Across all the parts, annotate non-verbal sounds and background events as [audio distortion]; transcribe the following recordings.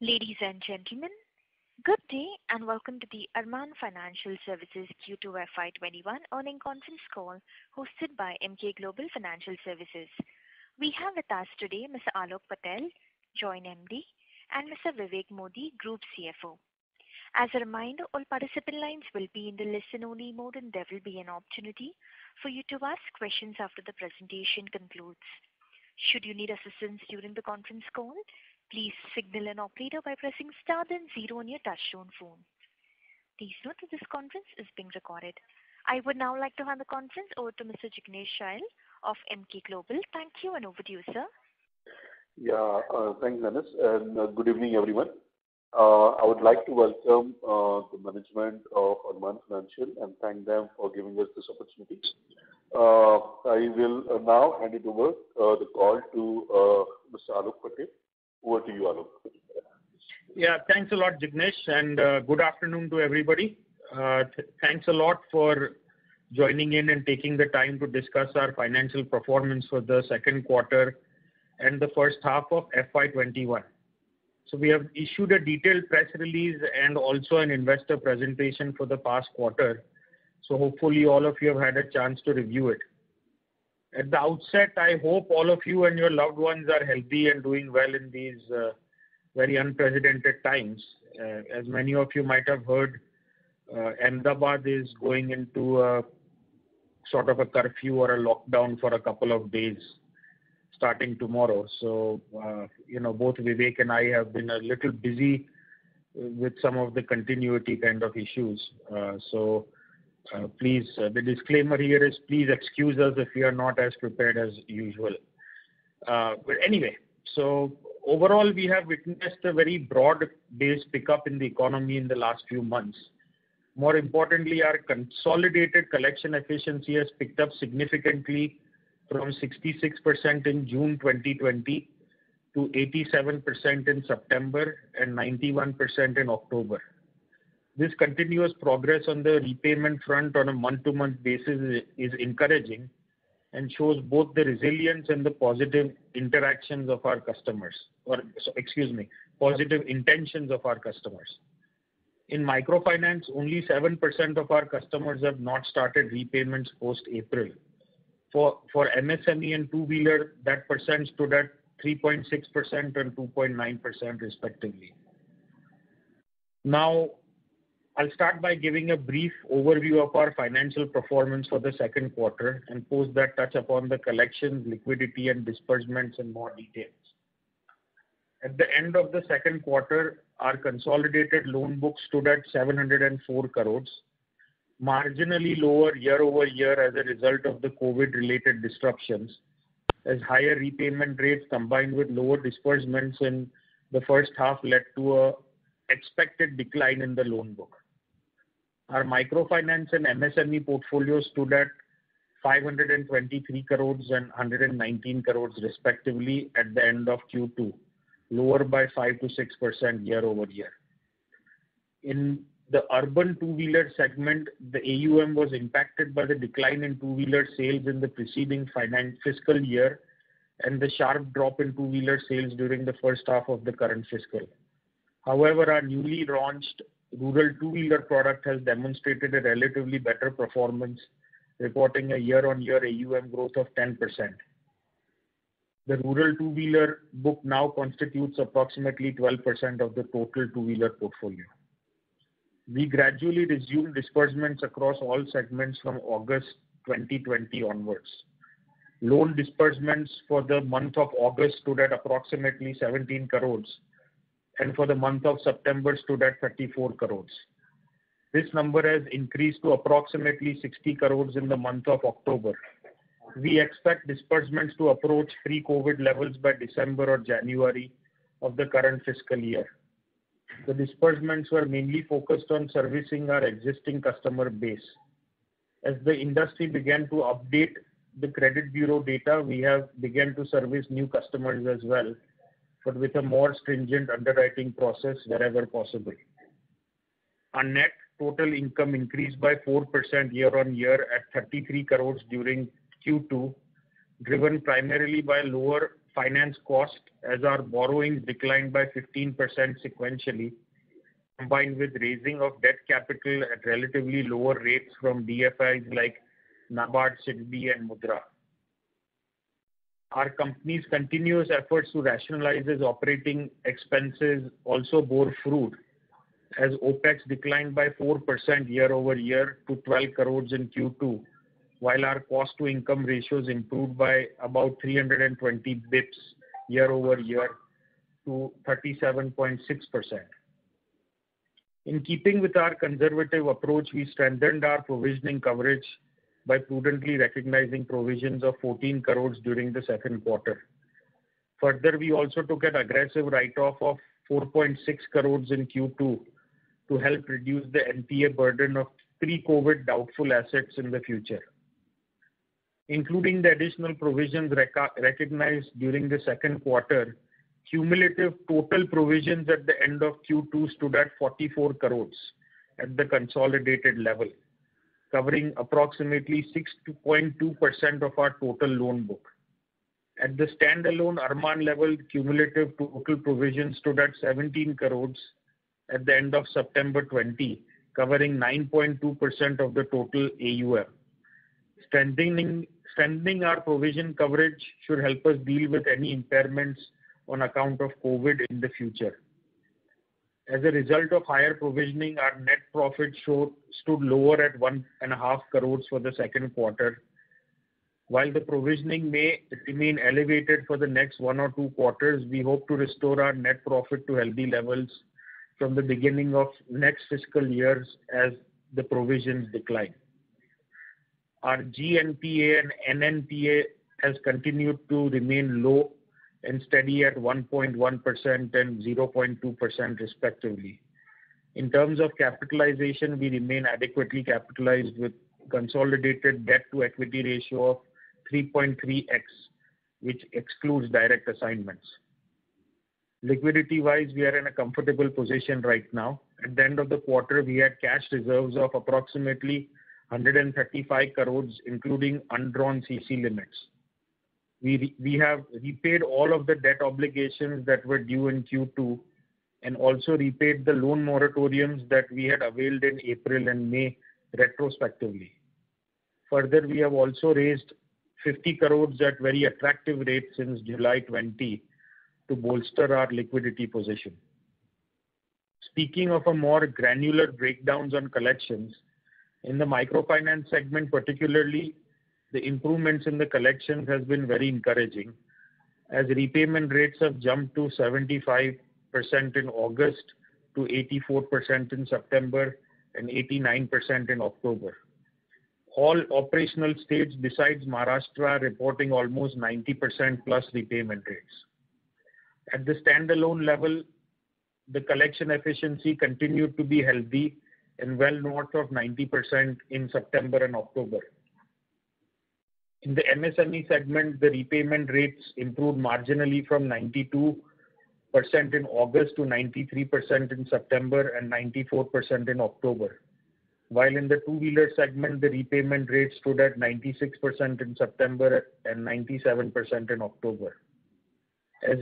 Ladies and gentlemen, good day, and welcome to the Arman Financial Services Q2 FY 2021 earnings conference call hosted by Emkay Global Financial Services. We have with us today Mr. Aalok Patel, Joint MD, and Mr. Vivek Modi, Group CFO. As a reminder, all participant lines will be in the listen-only mode, and there will be an opportunity for you to ask questions after the presentation concludes. Should you need assistance during the conference call, please signal an operator by pressing star then zero on your touch-tone phone. Please note that this conference is being recorded. I would now like to hand the conference over to Mr. Jignesh Shial of Emkay Global. Thank you, and over to you, sir. Yeah. Thanks, Janice. Good evening, everyone. I would like to welcome the management of Arman Financial and thank them for giving us this opportunity. I will now hand it over the call to Mr. Aalok Patel. Over to you, Aalok. Yeah. Thanks a lot, Jignesh, good afternoon to everybody. Thanks a lot for joining in and taking the time to discuss our financial performance for the second quarter and the first half of FY 2021. We have issued a detailed press release and also an investor presentation for the past quarter. Hopefully all of you have had a chance to review it. At the outset, I hope all of you and your loved ones are healthy and doing well in these very unprecedented times. As many of you might have heard, Ahmedabad is going into a sort of a curfew or a lockdown for a couple of days, starting tomorrow. Both Vivek and I have been a little busy with some of the continuity kind of issues. The disclaimer here is please excuse us if we are not as prepared as usual. Overall, we have witnessed a very broad-based pickup in the economy in the last few months. More importantly, our consolidated collection efficiency has picked up significantly from 66% in June 2020 to 87% in September and 91% in October. This continuous progress on the repayment front on a month-to-month basis is encouraging and shows both the resilience and the positive interactions of our customers, excuse me, positive intentions of our customers. In microfinance, only 7% of our customers have not started repayments post-April. For MSME and two-wheeler, that percent stood at 3.6% and 2.9% respectively. I'll start by giving a brief overview of our financial performance for the second quarter and post that touch upon the collections, liquidity, and disbursements in more details. At the end of the second quarter, our consolidated loan book stood at 704 crores, marginally lower year-over-year as a result of the COVID-related disruptions, as higher repayment rates combined with lower disbursements in the first half led to a expected decline in the loan book. Our microfinance and MSME portfolio stood at 523 crores and 119 crores respectively at the end of Q2, lower by 5%-6% year-over-year. In the urban two-wheeler segment, the AUM was impacted by the decline in two-wheeler sales in the preceding fiscal year and the sharp drop in two-wheeler sales during the first half of the current fiscal. However, our newly launched rural two-wheeler product has demonstrated a relatively better performance, reporting a year-on-year AUM growth of 10%. The rural two-wheeler book now constitutes approximately 12% of the total two-wheeler portfolio. We gradually resumed disbursements across all segments from August 2020 onwards. Loan disbursements for the month of August stood at approximately 17 crore, and for the month of September stood at 34 crore. This number has increased to approximately 60 crore in the month of October. We expect disbursements to approach pre-COVID levels by December or January of the current fiscal year. The disbursements were mainly focused on servicing our existing customer base. As the industry began to update the credit bureau data, we have begun to service new customers as well, but with a more stringent underwriting process wherever possible. Our net total income increased by 4% year-on-year at 33 crore during Q2, driven primarily by lower finance cost as our borrowings declined by 15% sequentially, combined with raising of debt capital at relatively lower rates from DFIs like NABARD, SIDBI, and MUDRA. Our company's continuous efforts to rationalize its operating expenses also bore fruit, as OpEx declined by 4% year-over-year to 12 crores in Q2, while our cost-to-income ratios improved by about 320 basis points year-over-year to 37.6%. In keeping with our conservative approach, we strengthened our provisioning coverage by prudently recognizing provisions of 14 crores during the second quarter. We also took an aggressive write-off of 4.6 crores in Q2 to help reduce the NPA burden of pre-COVID doubtful assets in the future. Including the additional provisions recognized during the second quarter, cumulative total provisions at the end of Q2 stood at 44 crores at the consolidated level, covering approximately 6.2% of our total loan book. At the standalone Arman level, cumulative total provisions stood at 17 crores at the end of September 2020, covering 9.2% of the total AUM. Strengthening our provision coverage should help us deal with any impairments on account of COVID in the future. As a result of higher provisioning, our net profit stood lower at 1.5 crores for the second quarter. While the provisioning may remain elevated for the next one or two quarters, we hope to restore our net profit to healthy levels from the beginning of next fiscal years as the provisions decline. Our GNPA and NNPA has continued to remain low and steady at 1.1% and 0.2% respectively. In terms of capitalization, we remain adequately capitalized with consolidated debt to equity ratio of 3.3x, which excludes direct assignments. Liquidity-wise, we are in a comfortable position right now. At the end of the quarter, we had cash reserves of approximately 135 crores, including undrawn CC limits. We have repaid all of the debt obligations that were due in Q2, and also repaid the loan moratoriums that we had availed in April and May retrospectively. We have also raised 50 crore at very attractive rates since July 20 to bolster our liquidity position. Speaking of a more granular breakdowns on collections, in the microfinance segment, particularly, the improvements in the collections has been very encouraging, as repayment rates have jumped to 75% in August, to 84% in September and 89% in October. All operational states besides Maharashtra are reporting almost 90%+ repayment rates. At the standalone level, the collection efficiency continued to be healthy and well north of 90% in September and October. In the MSME segment, the repayment rates improved marginally from 92% in August to 93% in September and 94% in October. While in the two-wheeler segment, the repayment rate stood at 96% in September and 97% in October.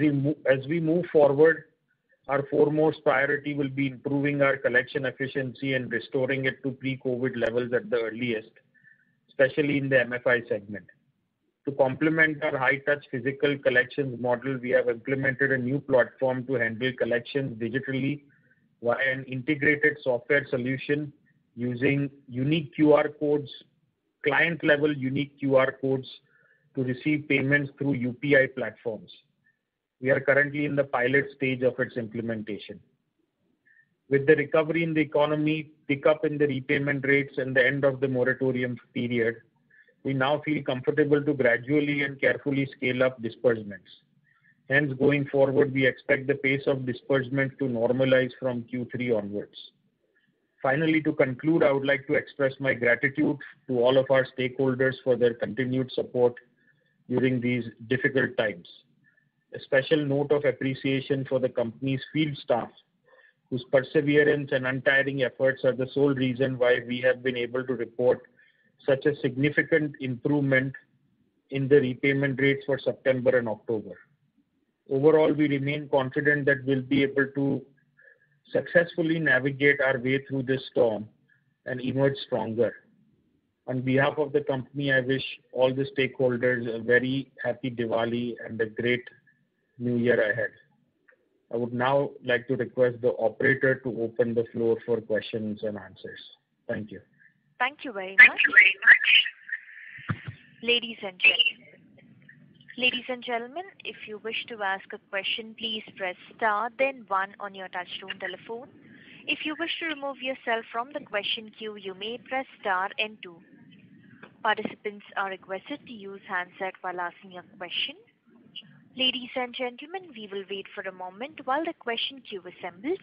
We move forward, our foremost priority will be improving our collection efficiency and restoring it to pre-COVID levels at the earliest, especially in the MFI segment. To complement our high touch physical collections model, we have implemented a new platform to handle collections digitally via an integrated software solution using client level unique QR codes to receive payments through UPI platforms. We are currently in the pilot stage of its implementation. With the recovery in the economy, pickup in the repayment rates and the end of the moratorium period, we now feel comfortable to gradually and carefully scale up disbursements. Going forward, we expect the pace of disbursement to normalize from Q3 onwards. Finally, to conclude, I would like to express my gratitude to all of our stakeholders for their continued support during these difficult times. A special note of appreciation for the company's field staff, whose perseverance and untiring efforts are the sole reason why we have been able to report such a significant improvement in the repayment rates for September and October. Overall, we remain confident that we'll be able to successfully navigate our way through this storm and emerge stronger. On behalf of the company, I wish all the stakeholders a very happy Diwali and a great new year ahead. I would now like to request the operator to open the floor for questions and answers. Thank you. Thank you very much. Ladies and gentlemen, if you wish to ask a question, please press star then one on your touchtone telephone. If you wish to remove yourself from the question queue, you may press star and two. Participants are requested to use handset while asking a question. Ladies and gentlemen, we will wait for a moment while the question queue assembles.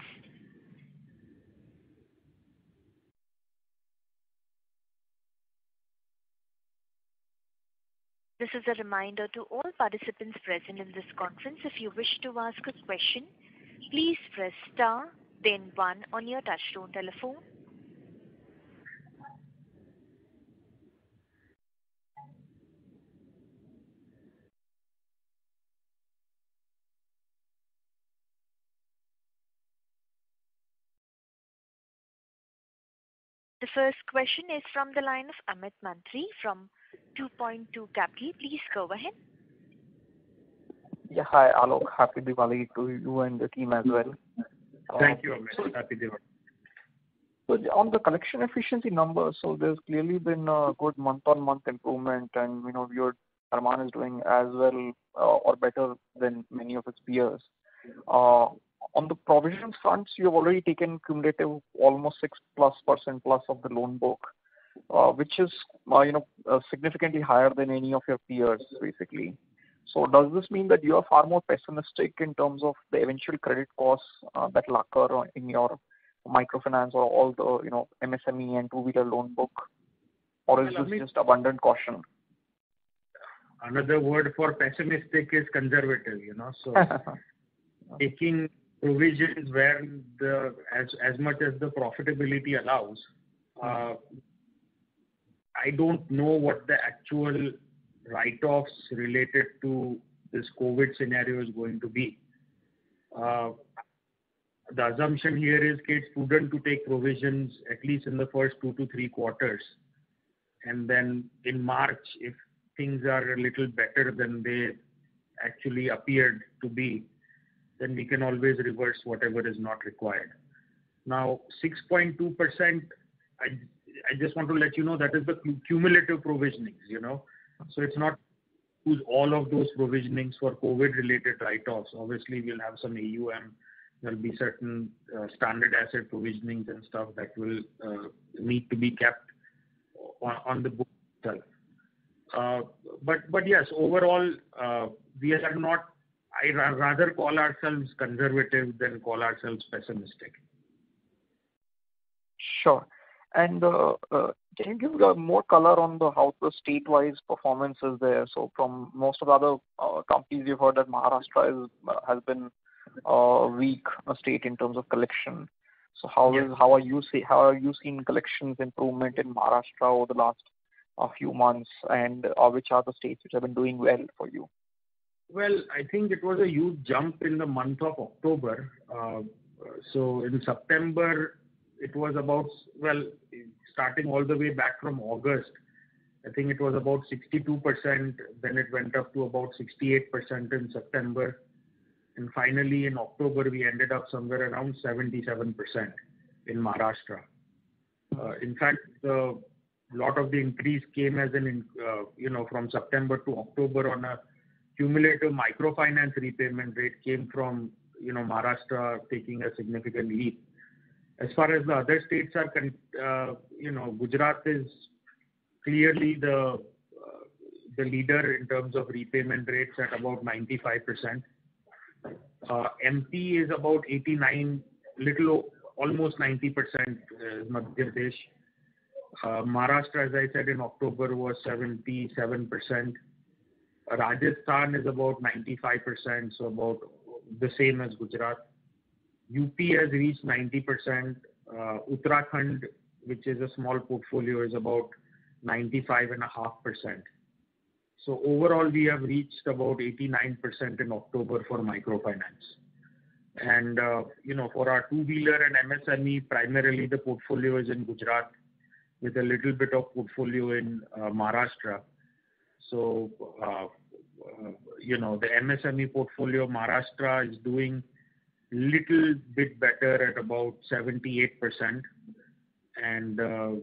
This is a reminder to all participants present in this conference, if you wish to ask a question, please press star then one on your touchtone telephone. The first question is from the line of Amit Mantri from 2Point2 Capital. Please go ahead. Yeah. Hi, Aalok. Happy Diwali to you and the team as well. Thank you, Amit. Happy Diwali. On the collection efficiency numbers, there's clearly been a good month-on-month improvement and your Arman is doing as well or better than many of its peers. On the provision fronts, you've already taken cumulative almost 6%+ of the loan book, which is significantly higher than any of your peers, basically. Does this mean that you are far more pessimistic in terms of the eventual credit costs that will occur in your microfinance or MSME and two-wheeler loan book? Or is this just abundant caution? Another word for pessimistic is conservative. Taking provisions as much as the profitability allows. I don't know what the actual write-offs related to this COVID scenario is going to be. The assumption here is, it's prudent to take provisions at least in the first two to three quarters. In March, if things are a little better than they actually appeared to be, then we can always reverse whatever is not required. Now, 6.2%, I just want to let you know, that is the cumulative provisionings. It's not all of those provisionings were COVID related write-offs. Obviously, we'll have some AUM. There'll be certain standard asset provisionings and stuff that will need to be kept on the books. Yes, overall, I'd rather call ourselves conservative than call ourselves pessimistic. Sure. Can you give more color on how the state-wise performance is there? From most of the other companies, we've heard that Maharashtra has been a weak state in terms of collection. Yes. How are you seeing collections improvement in Maharashtra over the last few months? Which are the states which have been doing well for you? I think it was a huge jump in the month of October. In September, starting all the way back from August, I think it was about 62%. It went up to about 68% in September. Finally, in October, we ended up somewhere around 77% in Maharashtra. A lot of the increase came from September to October on a cumulative microfinance repayment rate came from Maharashtra taking a significant leap. The other states are concerned, Gujarat is clearly the leader in terms of repayment rates at about 95%. MP is about 89%, almost 90%, Madhya Pradesh. Maharashtra, as I said, in October, was 77%. Rajasthan is about 95%, so about the same as Gujarat. UP has reached 90%. Uttarakhand, which is a small portfolio, is about 95.5%. Overall, we have reached about 89% in October for microfinance. For our two-wheeler and MSME, primarily the portfolio is in Gujarat with a little bit of portfolio in Maharashtra. The MSME portfolio, Maharashtra is doing a little bit better at about 78%.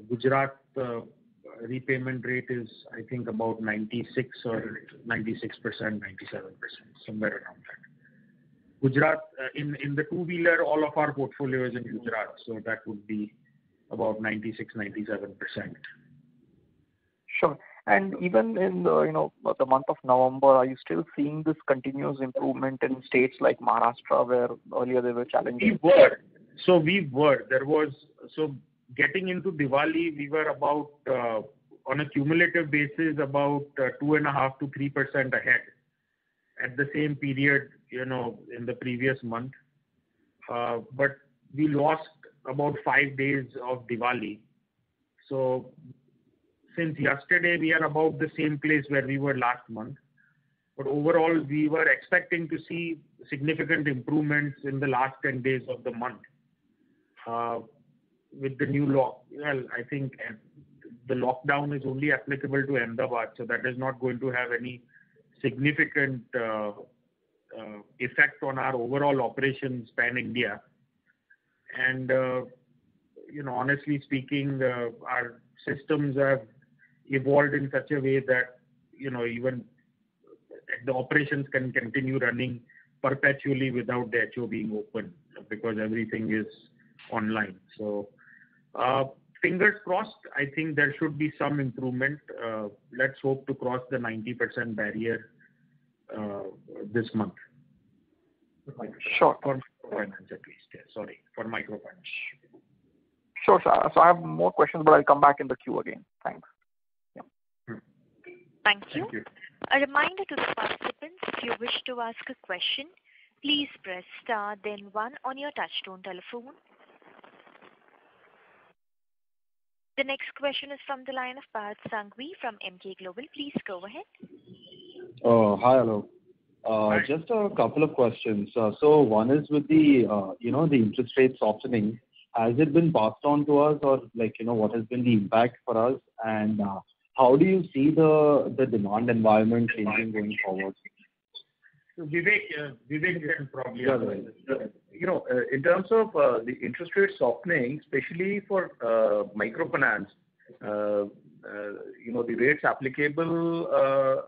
Gujarat repayment rate is, I think about 96%-97%, somewhere around that. In the two-wheeler, all of our portfolio is in Gujarat, so that would be about 96%-97%. Sure. Even in the month of November, are you still seeing this continuous improvement in states like Maharashtra, where earlier there were challenges? Getting into Diwali, we were, on a cumulative basis, about 2.5%-3% ahead at the same period in the previous month. We lost about five days of Diwali. Since yesterday, we are about the same place where we were last month. Overall, we were expecting to see significant improvements in the last 10 days of the month. Well, I think the lockdown is only applicable to Ahmedabad, so that is not going to have any significant effect on our overall operations pan-India. Honestly speaking, our systems have evolved in such a way that even the operations can continue running perpetually without the HO being open because everything is online. Fingers crossed, I think there should be some improvement. Let's hope to cross the 90% barrier this month. Sure. For microfinance at least. Yeah, sorry. For microfinance. Sure. I have more questions, but I'll come back in the queue again. Thanks. Yeah. Thank you. Thank you. A reminder to participants, if you wish to ask a question, please press star then one on your touchtone telephone. The next question is from the line of Fahad Sanghvi from Emkay Global. Please go ahead. Hi. Hello. Hi. Just a couple of questions. One is with the interest rate softening, has it been passed on to us or what has been the impact for us, and how do you see the demand environment changing going forward? Vivek can probably answer this. In terms of the interest rate softening, especially for microfinance, the rates applicable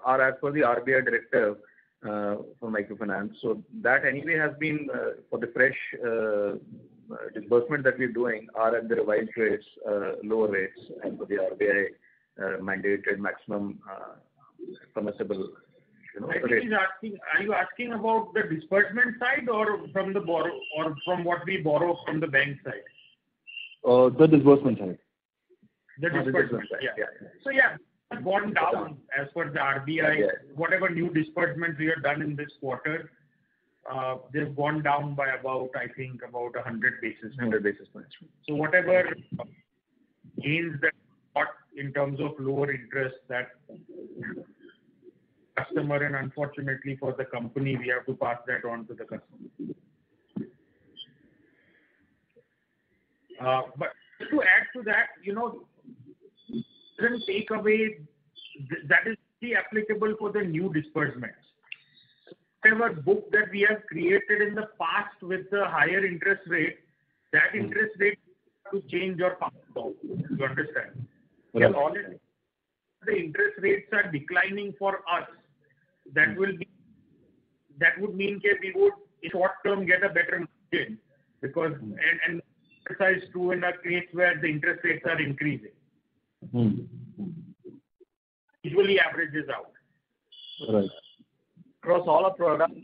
are as per the RBI directive for microfinance. That anyway has been for the fresh disbursement that we're doing are at the revised rates, lower rates as per the RBI mandated maximum permissible rate. Are you asking about the disbursement side or from what we borrow from the bank side? The disbursement side. [crosstalk] The disbursement. Yeah. Yeah, gone down as per the RBI. Whatever new disbursement we have done in this quarter, they've gone down by, I think, about 100 basis points. 100 basis points. Whatever gains that got in terms of lower interest that customer, and unfortunately for the company, we have to pass that on to the customer. Just to add to that, different takeaway that is applicable for the new disbursements. Whatever book that we have created in the past with the higher interest rate, that interest rate to change. You understand? The interest rates are declining for us. That would mean that we would, in short-term, get a better margin and exercise too, in that case, where the interest rates are increasing. Usually averages out. Right. Across all our products.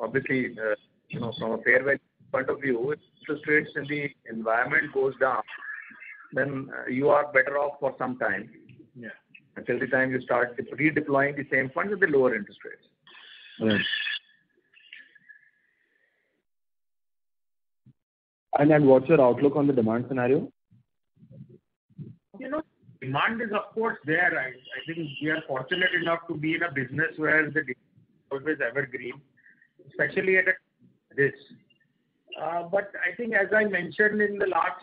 Obviously, from a fair value point of view, interest rates in the environment goes down, then you are better off for some time. Yeah. Until the time you start redeploying the same funds at the lower interest rates. What's your outlook on the demand scenario? Demand is, of course, there. I think we are fortunate enough to be in a business, [audio distortion] especially at this. I think, as I mentioned in the last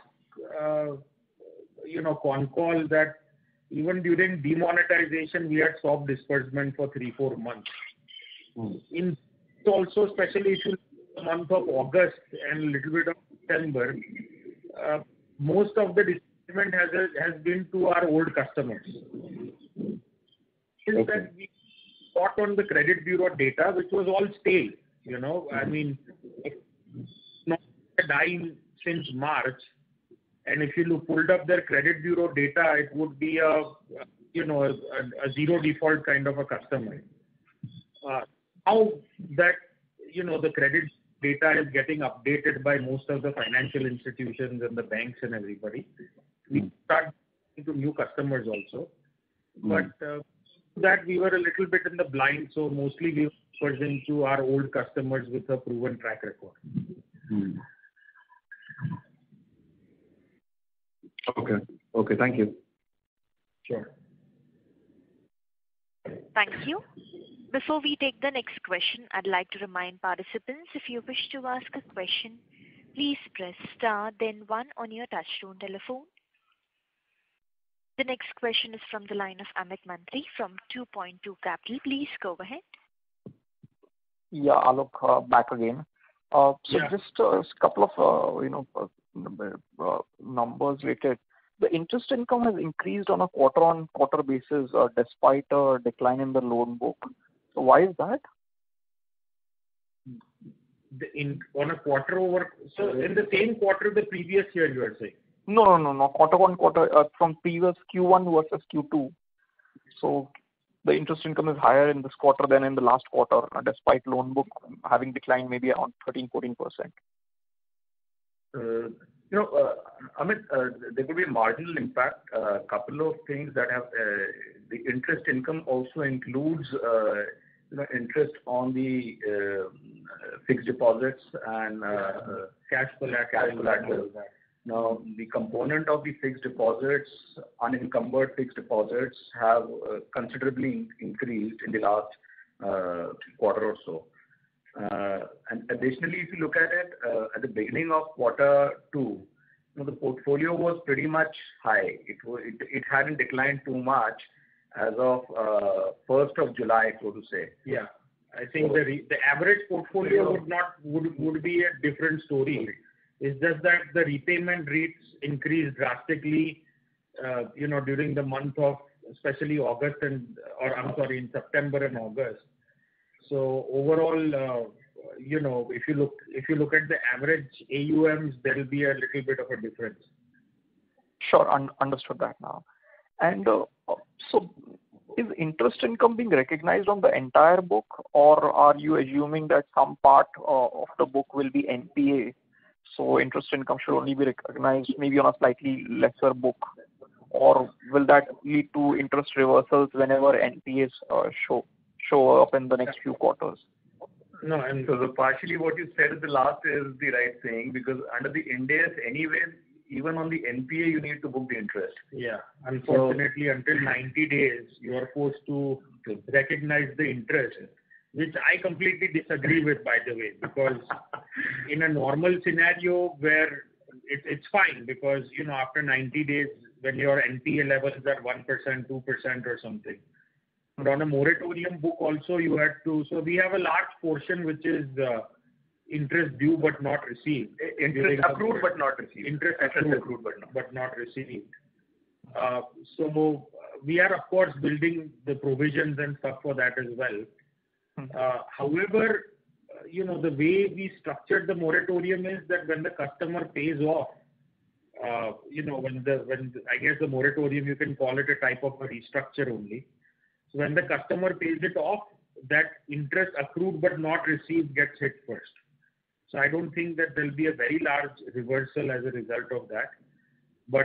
con call, that even during demonetization, we had stopped disbursement for three, four months. [audio distortion] and little bit of September, most of the disbursement has been to our old customers. Okay. Since then, we got on the credit bureau data, which was all stale. I mean, since March, and if you pulled up their credit bureau data, it would be a zero default kind of a customer. How the credit data is getting updated by most of the financial institutions and the banks and everybody. We start giving to new customers also. To that, we were a little bit in the blind, so mostly we dispersed them to our old customers with a proven track record. Okay. Thank you. Sure. Thank you. Before we take the next question, I'd like to remind participants, if you wish to ask a question, please press star then one on your touchtone telephone. The next question is from the line of Amit Mantri from 2Point2 Capital. Please go ahead. Yeah, Aalok, back again. Yeah. Just a couple of numbers related. The interest income has increased on a quarter-over-quarter basis, despite a decline in the loan book. Why is that? In the same quarter of the previous year, you are saying? No. Quarter on quarter, from previous Q1 versus Q2. The interest income is higher in this quarter than in the last quarter, despite loan book having declined maybe around 13%, 14%. Amit, there could be a marginal impact. The interest income also includes interest on the fixed deposits. [crosstalk] The component of the fixed deposits, unencumbered fixed deposits, have considerably increased in the last quarter or so. Additionally, if you look at it, at the beginning of quarter two, the portfolio was pretty much high. It hadn't declined too much as of 1st of July, so to say. Yeah. I think the average portfolio would be a different story. It's just that the repayment rates increased drastically during the month of especially September and August. Overall, if you look at the average AUMs, there'll be a little bit of a difference. Sure. Understood that now. Is interest income being recognized on the entire book, or are you assuming that some part of the book will be NPA, so interest income should only be recognized maybe on a slightly lesser book? Or will that lead to interest reversals whenever NPAs show up in the next few quarters? No. Partially what you said at the last is the right thing, because under the Ind AS anyway, even on the NPA, you need to book the interest. Yeah. Unfortunately, until 90 days, you are supposed to recognize the interest, which I completely disagree with, by the way, because in a normal scenario where it's fine because after 90 days, when your NPA level is at 1%, 2% or something. On a moratorium book also, you had to. We have a large portion which is interest due but not received. Interest accrued but not received. Interest accrued but Not received. We are, of course, building the provisions and stuff for that as well. The way we structured the moratorium is that when the customer pays off, I guess the moratorium, you can call it a type of a restructure only. When the customer pays it off, that interest accrued but not received gets hit first. I don't think that there'll be a very large reversal as a result of that.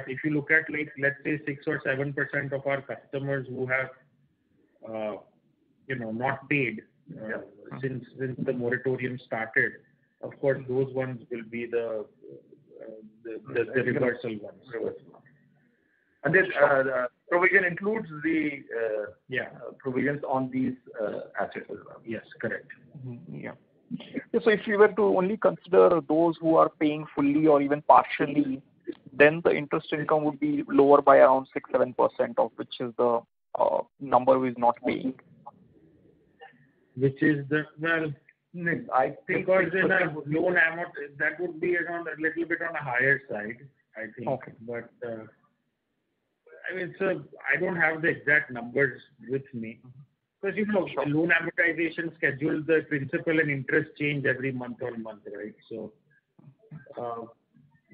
If you look at, let's say 6% or 7% of our customers who have not paid since the moratorium started, of course, those ones will be the reversal ones. Reversal. Provision includes. Yeah. Provisions on these assets as well. Yes, correct. Yeah. If you were to only consider those who are paying fully or even partially, then the interest income would be lower by around 6%-7% of which is the number who is not paying. Which is the, well, I think because in a loan amount, that would be around a little bit on the higher side, I think. Okay. I don't have the exact numbers with me. Loan amortization schedules, the principal and interest change every month-on-month, right.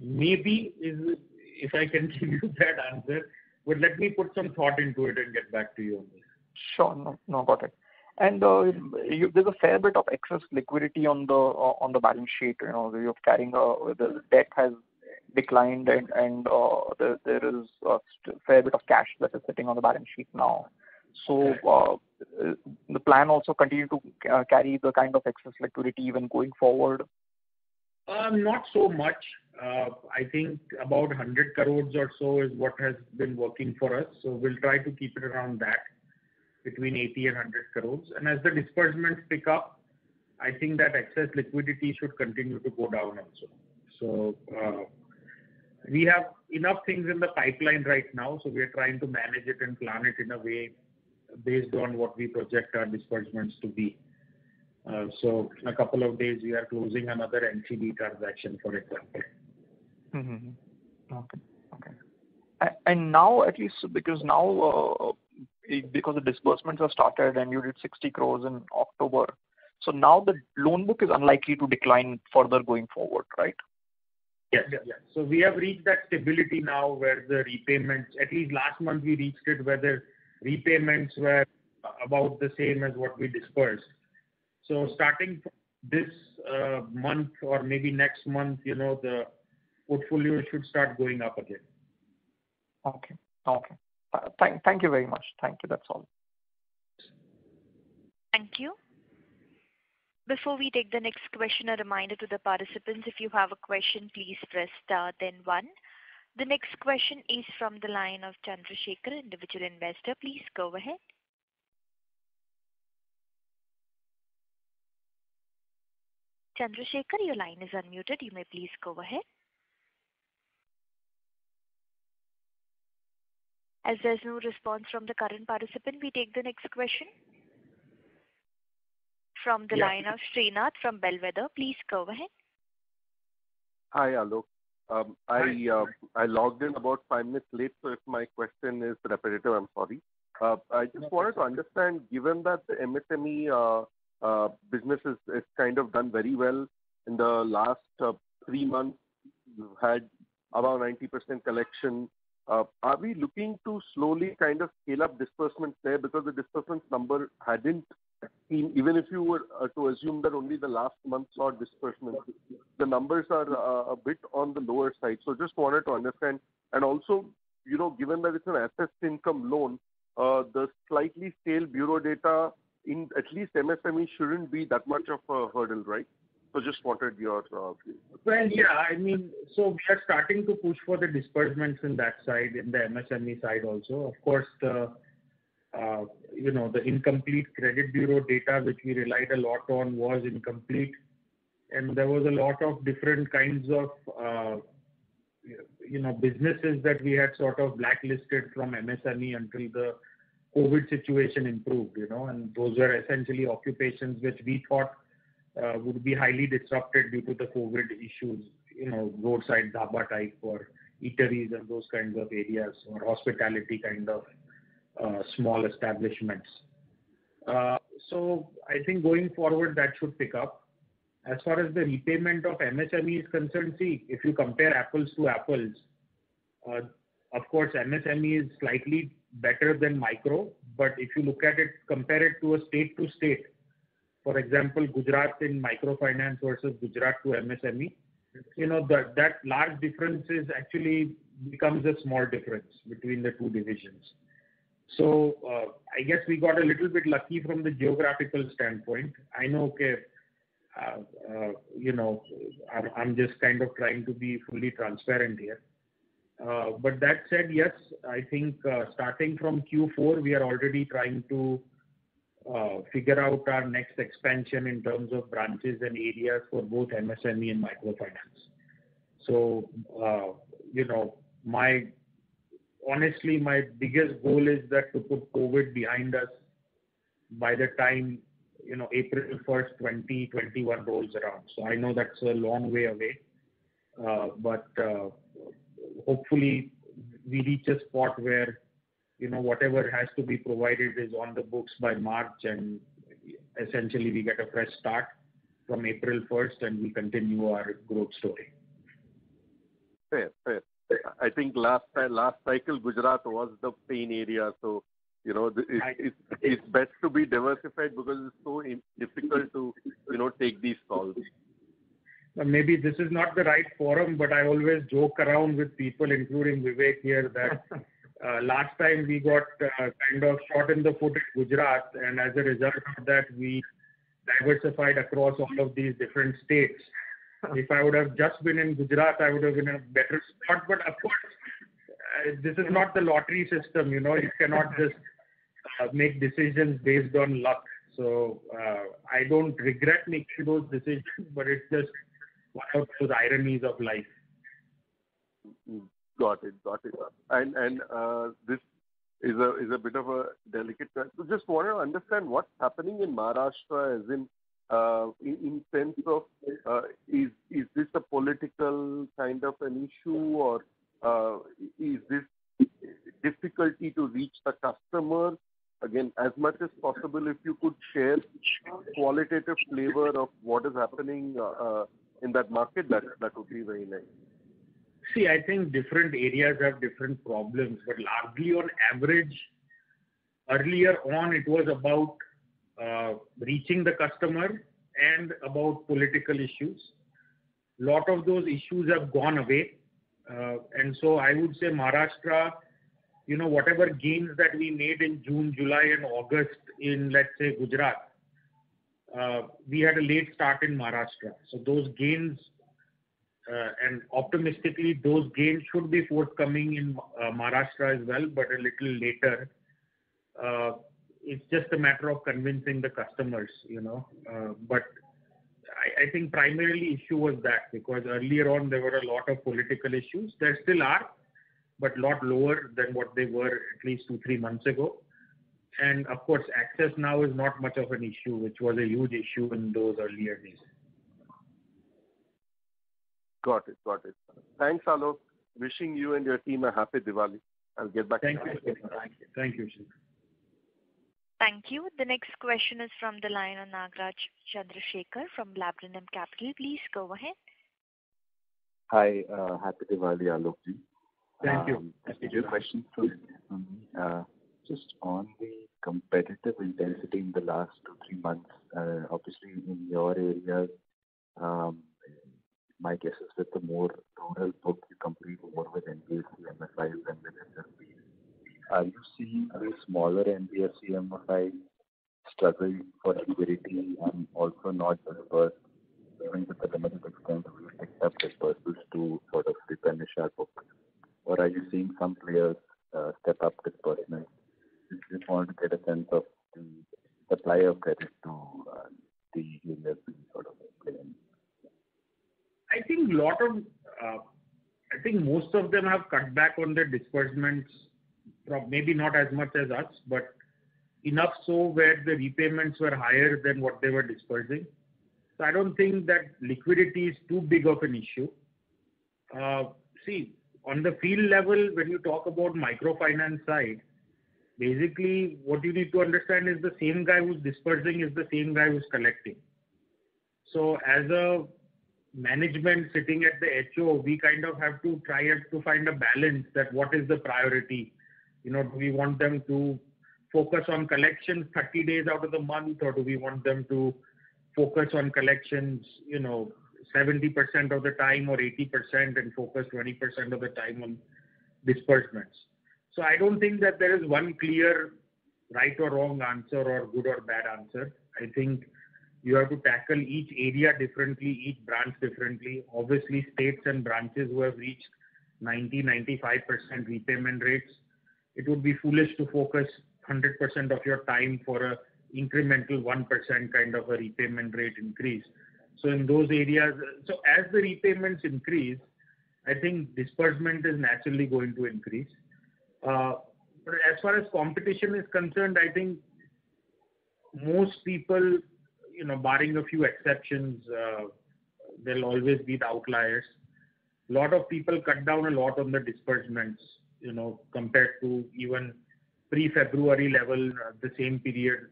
Maybe if I can give you that answer, but let me put some thought into it and get back to you on this. Sure. No, got it. There's a fair bit of excess liquidity on the balance sheet. You're carrying, the debt has declined and there is a fair bit of cash that is sitting on the balance sheet now. The plan also continue to carry the kind of excess liquidity even going forward? Not so much. I think about 100 crore or so is what has been working for us. We'll try to keep it around that, between 80 crore and 100 crore. And as the disbursements pick up, I think that excess liquidity should continue to go down also. We have enough things in the pipeline right now, so we are trying to manage it and plan it in a way based on what we project our disbursements to be. In a couple of days, we are closing another NTB transaction, for example. Okay. Now at least because the disbursements have started and you did 60 crores in October, so now the loan book is unlikely to decline further going forward, right? Yes. We have reached that stability now where the repayments, at least last month we reached it where the repayments were about the same as what we disbursed. Starting from this month or maybe next month, the portfolio should start going up again. Okay. Thank you very much. Thank you. That's all. Thank you. Before we take the next question, a reminder to the participants, if you have a question, please press star then one. The next question is from the line of Chandrashekar, individual investor. Please go ahead. Chandrashekar, your line is unmuted. You may please go ahead. As there's no response from the current participant, we take the next question from the line of Srinath from Bellwether. Please go ahead. Hi, Aalok. I logged in about five minutes late, so if my question is repetitive, I'm sorry. I just wanted to understand, given that the MSME business has kind of done very well in the last three months, you've had about 90% collection. Are we looking to slowly scale up disbursements there? Because the disbursements number hadn't seen, even if you were to assume that only the last month saw disbursements, the numbers are a bit on the lower side. Just wanted to understand. Also, given that it's an assessed income loan, the slightly stale bureau data in at least MSME shouldn't be that much of a hurdle, right? Just wanted your view. Well, yeah. We are starting to push for the disbursements in that side, in the MSME side also. Of course, the incomplete credit bureau data which we relied a lot on was incomplete, and there was a lot of different kinds of businesses that we had sort of blacklisted from MSME until the COVID situation improved. Those were essentially occupations which we thought would be highly disrupted due to the COVID issues. Roadside dhaba type or eateries and those kinds of areas, or hospitality kind of small establishments. I think going forward, that should pick up. As far as the repayment of MSME is concerned, see, if you compare apples to apples, of course MSME is slightly better than micro. If you look at it, compare it to a state to state, for example, Gujarat in microfinance versus Gujarat to MSME, that large difference is actually becomes a small difference between the two divisions. I guess we got a little bit lucky from the geographical standpoint. I know, I'm just kind of trying to be fully transparent here. That said, yes, I think, starting from Q4, we are already trying to figure out our next expansion in terms of branches and areas for both MSME and microfinance. Honestly, my biggest goal is that to put COVID behind us by the time April 1st 2021 rolls around. I know that's a long way away. Hopefully we reach a spot where whatever has to be provided is on the books by March, and essentially we get a fresh start from April 1st, and we continue our growth story. Fair. I think last cycle, Gujarat was the pain area. It's best to be diversified because it's so difficult to take these calls. Maybe this is not the right forum, but I always joke around with people, including Vivek here, that last time we got kind of shot in the foot at Gujarat, and as a result of that, we diversified across all of these different states. If I would have just been in Gujarat, I would have been in a better spot. Of course, this is not the lottery system. You cannot just make decisions based on luck. I don't regret making those decisions, but it's just one of those ironies of life. Got it. Just want to understand what's happening in Maharashtra, as in sense of, is this a political kind of an issue or is this difficulty to reach the customer? As much as possible, if you could share qualitative flavor of what is happening in that market, that would be very nice. I think different areas have different problems. Largely on average, earlier on it was about reaching the customer and about political issues. Lot of those issues have gone away. I would say Maharashtra, whatever gains that we made in June, July, and August in, let's say, Gujarat, we had a late start in Maharashtra. Those gains and optimistically those gains should be forthcoming in Maharashtra as well, but a little later. It's just a matter of convincing the customers. I think primarily issue was that, because earlier on, there were a lot of political issues. There still are, but lot lower than what they were at least two, three months ago. Of course, access now is not much of an issue, which was a huge issue in those earlier days. Got it. Thanks, Aalok. Wishing you and your team a happy Diwali. I'll get back to you. Thank you. Thank you. The next question is from the line of Nagaraj Chandrasekar from Laburnum Capital. Please go ahead. Hi. Happy Diwali, Aalok Ji. Thank you. I have two questions for you. Just on the competitive intensity in the last two, three months. Obviously, in your area, my guess is with the more rural book, you compete more with NBFC-MFIs than with. [audio distortion] Are you seeing other smaller NBFC-MFIs struggling for liquidity and also not disbursed during the pandemic disbursements to sort of replenish our book? Or are you seeing some players step up disbursements? Just want to get a sense of supply of credit to the lending sort of. I think most of them have cut back on their disbursements. Maybe not as much as us, but enough so where the repayments were higher than what they were disbursing. I don't think that liquidity is too big of an issue. See, on the field level, when you talk about microfinance side, basically what you need to understand is the same guy who's disbursing is the same guy who's collecting. As a management sitting at the HO, we kind of have to try as to find a balance that what is the priority. Do we want them to focus on collections 30 days out of the month, or do we want them to focus on collections 70% of the time or 80% and focus 20% of the time on disbursements? I don't think that there is one clear right or wrong answer or good or bad answer. I think you have to tackle each area differently, each branch differently. Obviously, states and branches who have reached 90%, 95% repayment rates, it would be foolish to focus 100% of your time for an incremental 1% kind of a repayment rate increase. As the repayments increase, I think disbursement is naturally going to increase. As far as competition is concerned, I think most people, barring a few exceptions, there'll always be the outliers. Lot of people cut down a lot on their disbursements compared to even pre-February level, the same period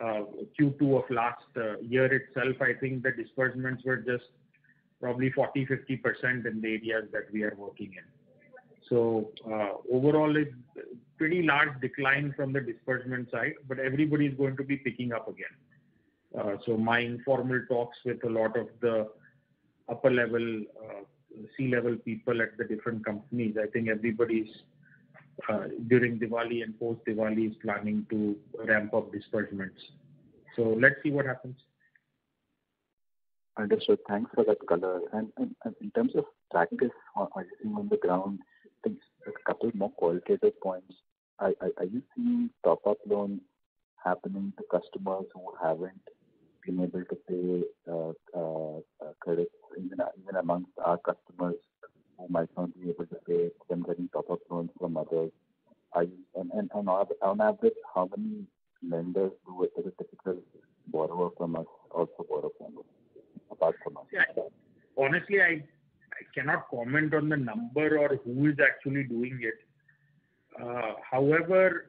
Q2 of last year itself, I think the disbursements were just probably 40%, 50% in the areas that we are working in. Overall, it's pretty large decline from the disbursement side, but everybody's going to be picking up again. My informal talks with a lot of the upper level, C-level people at the different companies, I think everybody's, during Diwali and post Diwali, is planning to ramp up disbursements. Let's see what happens. Understood. Thanks for that color. In terms of practice or anything on the ground, I think a couple more qualitative points. Are you seeing top-up loan happening to customers who haven't been able to pay credit even amongst our customers who might not be able to pay, them taking top-up loans from others? On average, how many lenders who a typical borrower from us also borrow from? Honestly, I cannot comment on the number or who is actually doing it. However,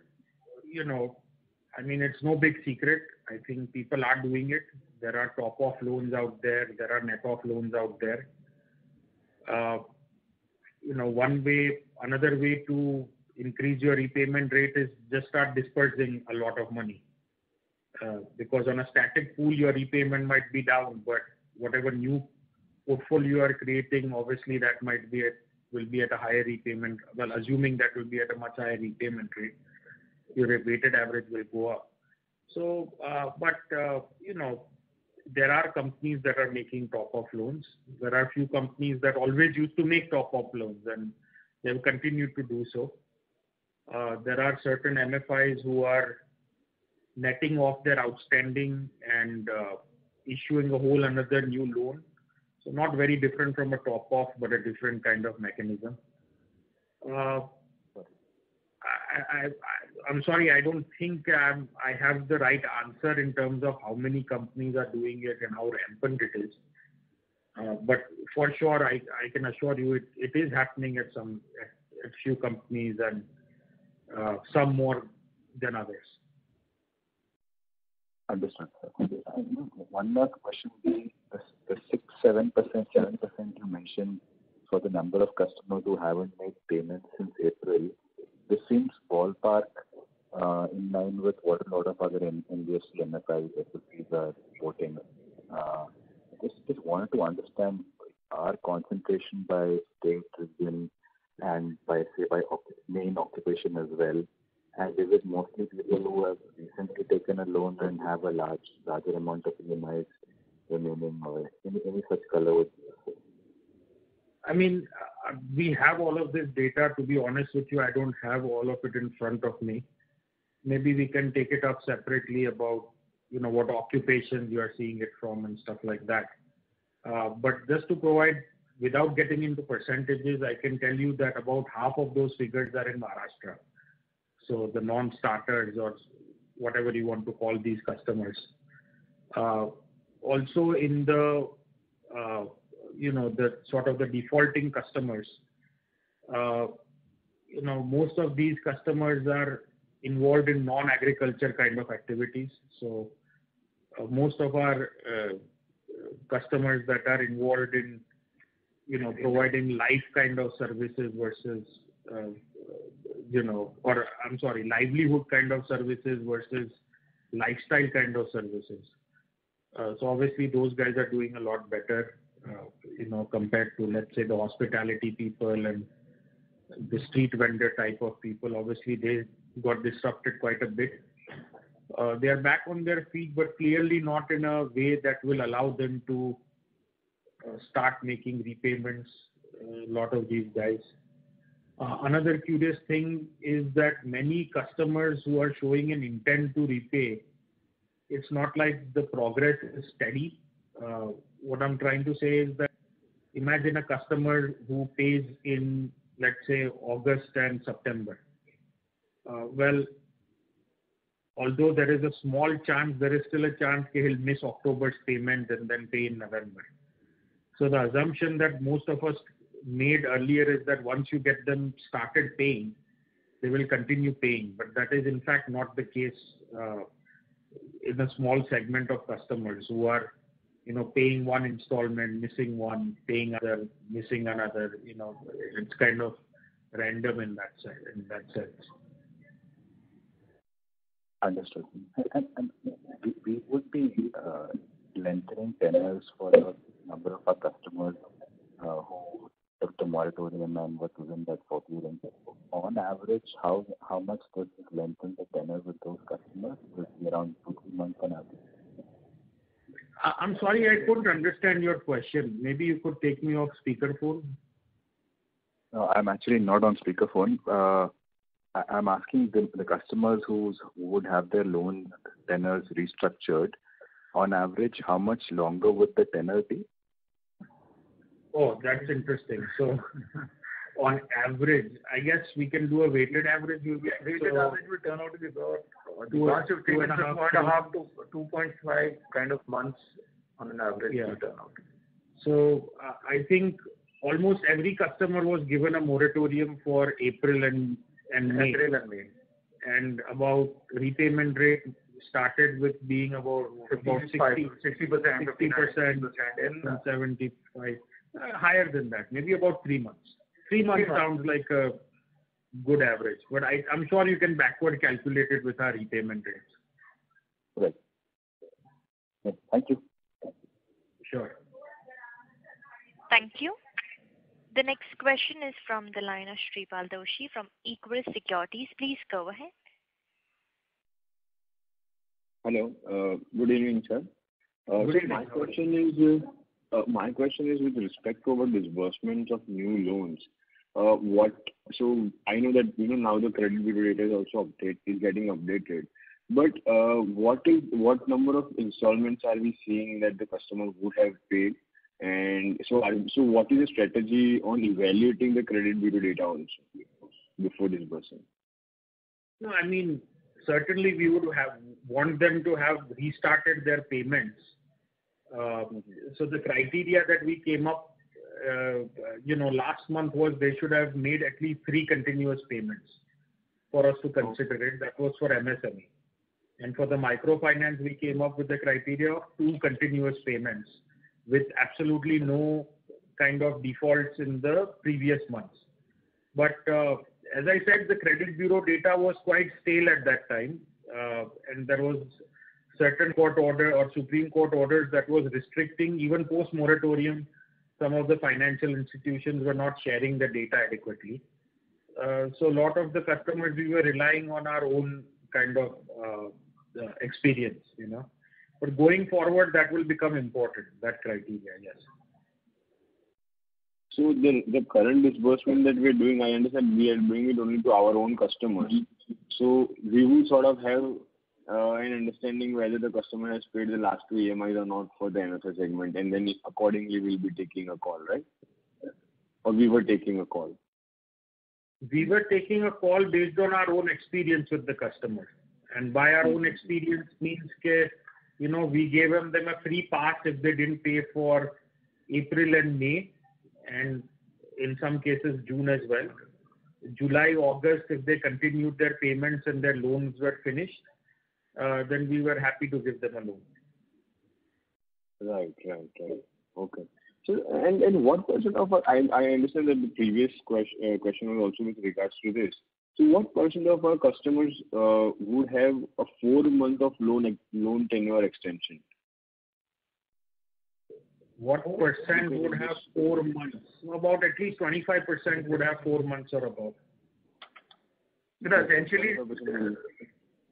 it's no big secret. I think people are doing it. There are top-off loans out there are net-off loans out there. Another way to increase your repayment rate is just start dispersing a lot of money. On a static pool, your repayment might be down, but whatever new portfolio you are creating, obviously that will be at a higher repayment. Well, assuming that will be at a much higher repayment rate, your weighted average will go up. There are companies that are making top-off loans. There are a few companies that always used to make top-up loans, and they have continued to do so. There are certain MFIs who are netting off their outstanding and issuing a whole another new loan. Not very different from a top-off, but a different kind of mechanism. I'm sorry, I don't think I have the right answer in terms of how many companies are doing it and how rampant it is. For sure, I can assure you, it is happening at a few companies and some more than others. Understood. One more question. The 6%, 7%, 10% you mentioned for the number of customers who haven't made payments since April, this seems ballpark in line with what a lot of other NBFC-MFIs, SPCs are reporting. I just wanted to understand our concentration by state within and by main occupation as well. Is it mostly people who have recently taken a loan and have a larger amount of EMIs remaining or any such color would be helpful. We have all of this data. To be honest with you, I don't have all of it in front of me. Maybe we can take it up separately about what occupations we are seeing it from and stuff like that. Just to provide, without getting into percentages, I can tell you that about half of those figures are in Maharashtra. The non-starters or whatever you want to call these customers. Also in the sort of the defaulting customers, most of these customers are involved in non-agriculture kind of activities. Most of our customers that are involved in providing livelihood kind of services versus lifestyle kind of services. Obviously those guys are doing a lot better compared to, let's say, the hospitality people and the street vendor type of people. Obviously, they got disrupted quite a bit. They are back on their feet, but clearly not in a way that will allow them to start making repayments, a lot of these guys. Another curious thing is that many customers who are showing an intent to repay, it's not like the progress is steady. What I'm trying to say is that imagine a customer who pays in, let's say, August and September. Well, although there is a small chance, there is still a chance he will miss October's payment and then pay in November. The assumption that most of us made earlier is that once you get them started paying, they will continue paying. That is, in fact, not the case in a small segment of customers who are paying one installment, missing one, paying another, missing another. It's kind of random in that sense. Understood. We would be lengthening tenures for a number of our customers who took the moratorium and were within that 40 range. On average, how much could we lengthen the tenure with those customers? Will it be around two, three months on average? I'm sorry, I couldn't understand your question. Maybe you could take me off speaker phone. No, I'm actually not on speaker phone. I'm asking the customers who would have their loan tenures restructured, on average, how much longer would the tenure be? Oh, that's interesting. On average. I guess we can do a weighted average. Weighted average will turn out to be about two and a half. [crosstalk] 2.5 kind of months on an average will turn out. I think almost every customer was given a moratorium for April and May. April and May. About repayment rate started with being about. 60%, 65%. 60%. 60%-75%. Higher than that. Maybe about three months. Three months. Sounds like a good average. I'm sure you can backward calculate it with our repayment rates. Great. Thank you. Sure. Thank you. The next question is from the line of Shreepal Doshi from Equirus Securities. Please go ahead. Hello. Good evening, sir. Good evening. My question is with respect to our disbursement of new loans. I know that now the credit bureau data is getting updated. What number of installments are we seeing that the customer would have paid? What is the strategy on evaluating the credit bureau data also before disbursement? No, certainly we would have want them to have restarted their payments. The criteria that we came up last month was they should have made at least three continuous payments for us to consider it. That was for MSME. For the microfinance, we came up with the criteria of two continuous payments with absolutely no kind of defaults in the previous months. As I said, the credit bureau data was quite stale at that time, and there was certain court order or Supreme Court orders that was restricting even post moratorium. Some of the financial institutions were not sharing the data adequately. A lot of the customers, we were relying on our own kind of experience. Going forward, that will become important, that criteria, yes. The current disbursement that we're doing, I understand we are doing it only to our own customers. We will sort of have an understanding whether the customer has paid the last two EMIs or not for the MSME segment, and then accordingly, we'll be taking a call, right? Yes. We were taking a call. We were taking a call based on our own experience with the customer. By our own experience means, we gave them a free pass if they didn't pay for April and May, and in some cases, June as well. July, August, if they continued their payments and their loans were finished, we were happy to give them a loan. Right. Okay. I understand that the previous question was also with regards to this. What percent of our customers would have a four-month of loan tenure extension? What percent would have four months? About at least 25% would have four months or above. Essentially,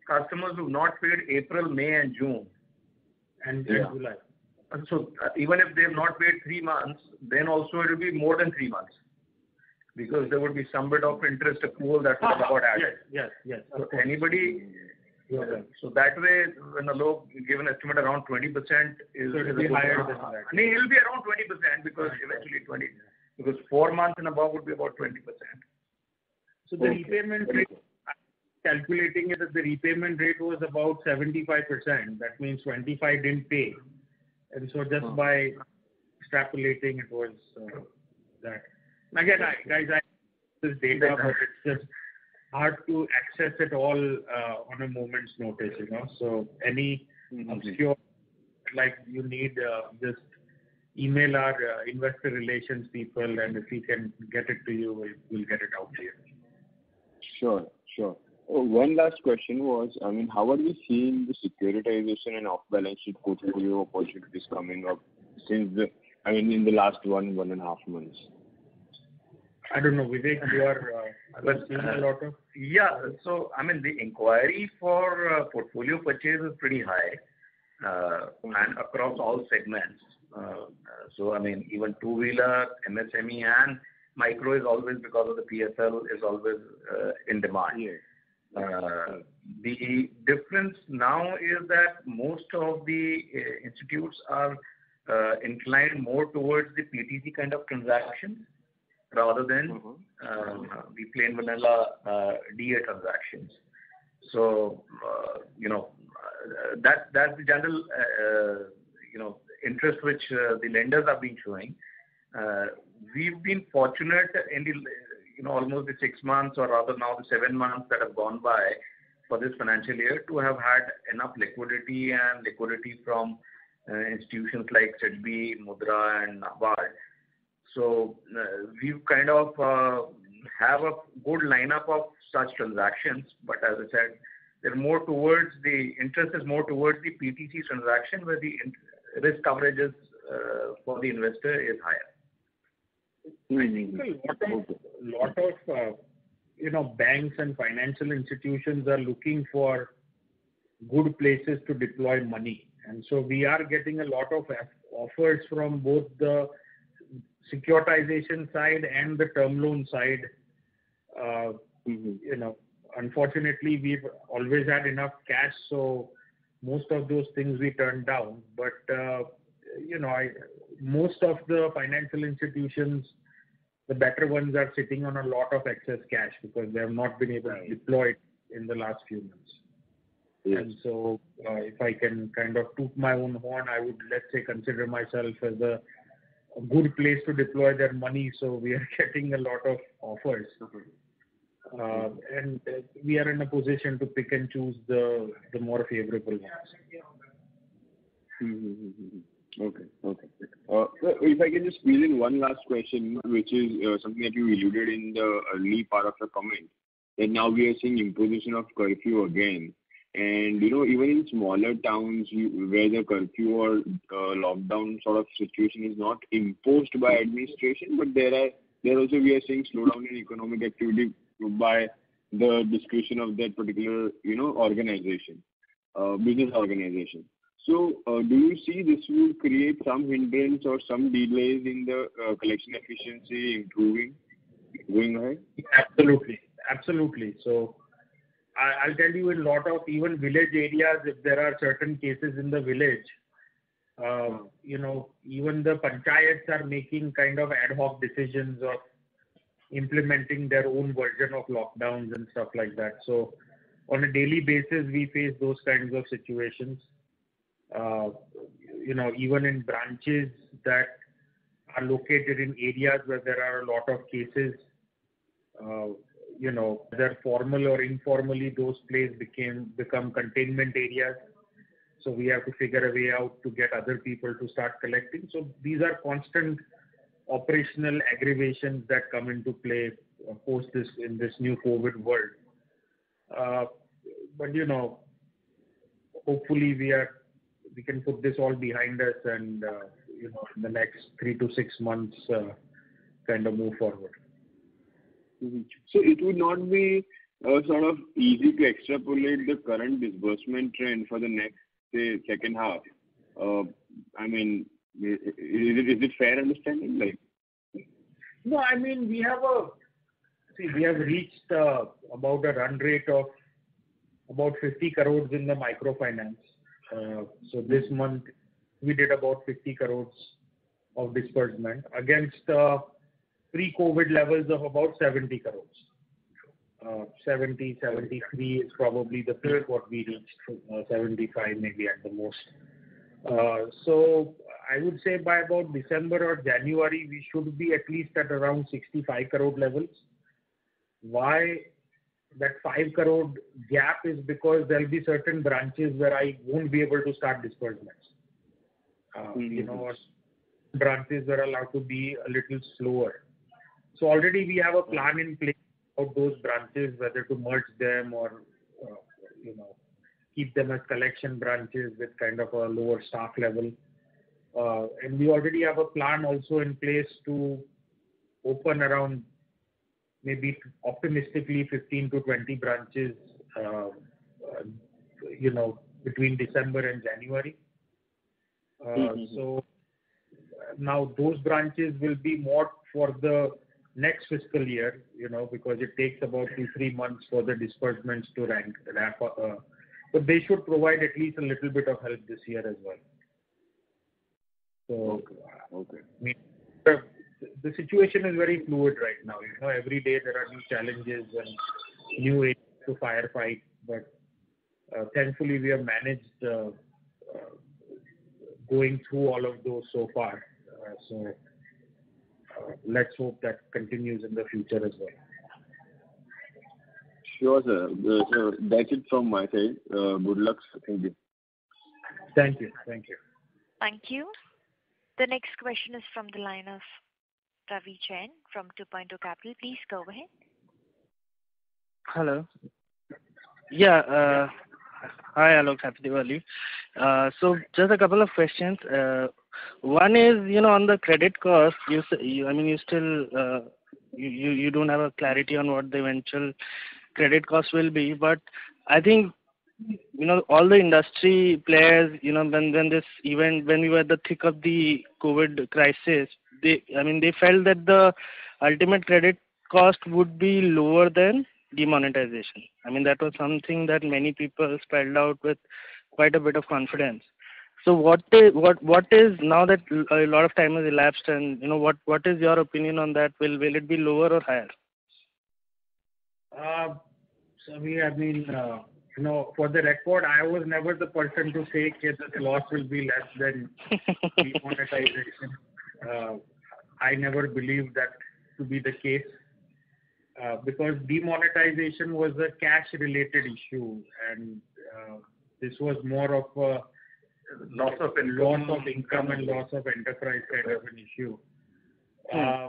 customers who have not paid April, May, and June, and then July. Yeah. Even if they have not paid three months, then also it will be more than three months because there would be some bit of interest accrual that would have got added. Yes. Of course. That way, when a loan, we give an estimate around 20%. [crosstalk] It will be higher than that. It'll be around 20% because eventually, four months and above would be about 20%. Okay. The repayment rate, calculating it as the repayment rate was about 75%, that means 25% didn't pay. Just by extrapolating it was that. Again, guys, this data, but it's just hard to access it all on a moment's notice. Any obscure data you need, just email our investor relations people, and if we can get it to you, we'll get it out to you. Sure. One last question was, how are you seeing the securitization and off-balance sheet portfolio opportunities coming up since the last one and a half months? I don't know, Vivek, you are seeing a lot of? Yeah. The inquiry for portfolio purchase is pretty high and across all segments. Even two-wheeler, MSME, and micro is always because of the PSL, is always in demand. Yes. The difference now is that most of the institutes are inclined more towards the PTC kind of transaction rather than the plain vanilla deal transactions. That's the general interest which the lenders have been showing. We've been fortunate in almost the six months or rather now the seven months that have gone by for this financial year to have had enough liquidity and liquidity from institutions like SIDBI, MUDRA, and NABARD. We've kind of have a good lineup of such transactions, but as I said, they're more towards the interest is more towards the PTC transaction where the risk coverage is for the investor is higher. Okay. A lot of banks and financial institutions are looking for good places to deploy money. We are getting a lot of offers from both the securitization side and the term loan side. Unfortunately, we've always had enough cash. Most of those things we turn down. Most of the financial institutions, the better ones are sitting on a lot of excess cash because they have not been able to deploy it in the last few months. If I can kind of toot my own horn, I would, let's say, consider myself as a good place to deploy their money. We are getting a lot of offers. We are in a position to pick and choose the more favorable ones. Okay. If I can just squeeze in one last question, which is something that you alluded in the early part of your comment, that now we are seeing imposition of curfew again. Even in smaller towns where the curfew or lockdown sort of situation is not imposed by administration, but there also we are seeing slowdown in economic activity by the discretion of that particular business organization. Do you see this will create some hindrance or some delays in the collection efficiency improving going ahead? Absolutely. I'll tell you a lot of even village areas, if there are certain cases in the village. Even the panchayats are making kind of ad hoc decisions of implementing their own version of lockdowns and stuff like that. On a daily basis, we face those kinds of situations. Even in branches that are located in areas where there are a lot of cases, whether formal or informally, those places become containment areas. We have to figure a way out to get other people to start collecting. These are constant operational aggravations that come into play, of course, in this new COVID world. Hopefully we can put this all behind us and in the next three to six months kind of move forward. It would not be sort of easy to extrapolate the current disbursement trend for the next, say, second half. Is it fair understanding? No. See, we have reached about a run rate of about 50 crores in the microfinance. This month we did about 50 crores of disbursement against pre-COVID levels of about 70 crores. 70 crores, 73 crores is probably the peak what we reached. 75 crores maybe at the most. I would say by about December or January, we should be at least at around 65 crore levels. Why that 5 crore gap is because there'll be certain branches where I won't be able to start disbursements. Some branches are allowed to be a little slower. Already we have a plan in place for those branches, whether to merge them or keep them as collection branches with kind of a lower staff level. We already have a plan also in place to open around maybe optimistically 15-20 branches between December and January. Those branches will be more for the next fiscal year, because it takes about two, three months for the disbursements to ramp up. They should provide at least a little bit of help this year as well. Okay. Got it. The situation is very fluid right now. Every day there are new challenges and new ways to firefight. Thankfully we have managed going through all of those so far. Let's hope that continues in the future as well. Sure, sir. That's it from my side. Good luck. Thank you. Thank you. Thank you. The next question is from the line of Savi Jain from 2Point2 Capital. Please go ahead. Hello. Hi, Aalok. Happy Diwali. Just a couple of questions. One is, on the credit cost, you don't have a clarity on what the eventual credit cost will be. I think all the industry players, even when we were at the thick of the COVID crisis, they felt that the ultimate credit cost would be lower than demonetization. That was something that many people spelled out with quite a bit of confidence. Now that a lot of time has elapsed, what is your opinion on that? Will it be lower or higher? Savi, for the record, I was never the person to say that the loss will be less than demonetization. I never believed that to be the case. Demonetization was a cash-related issue, and this was more of a [crosstalk] loss of income and loss of enterprise kind of an issue. I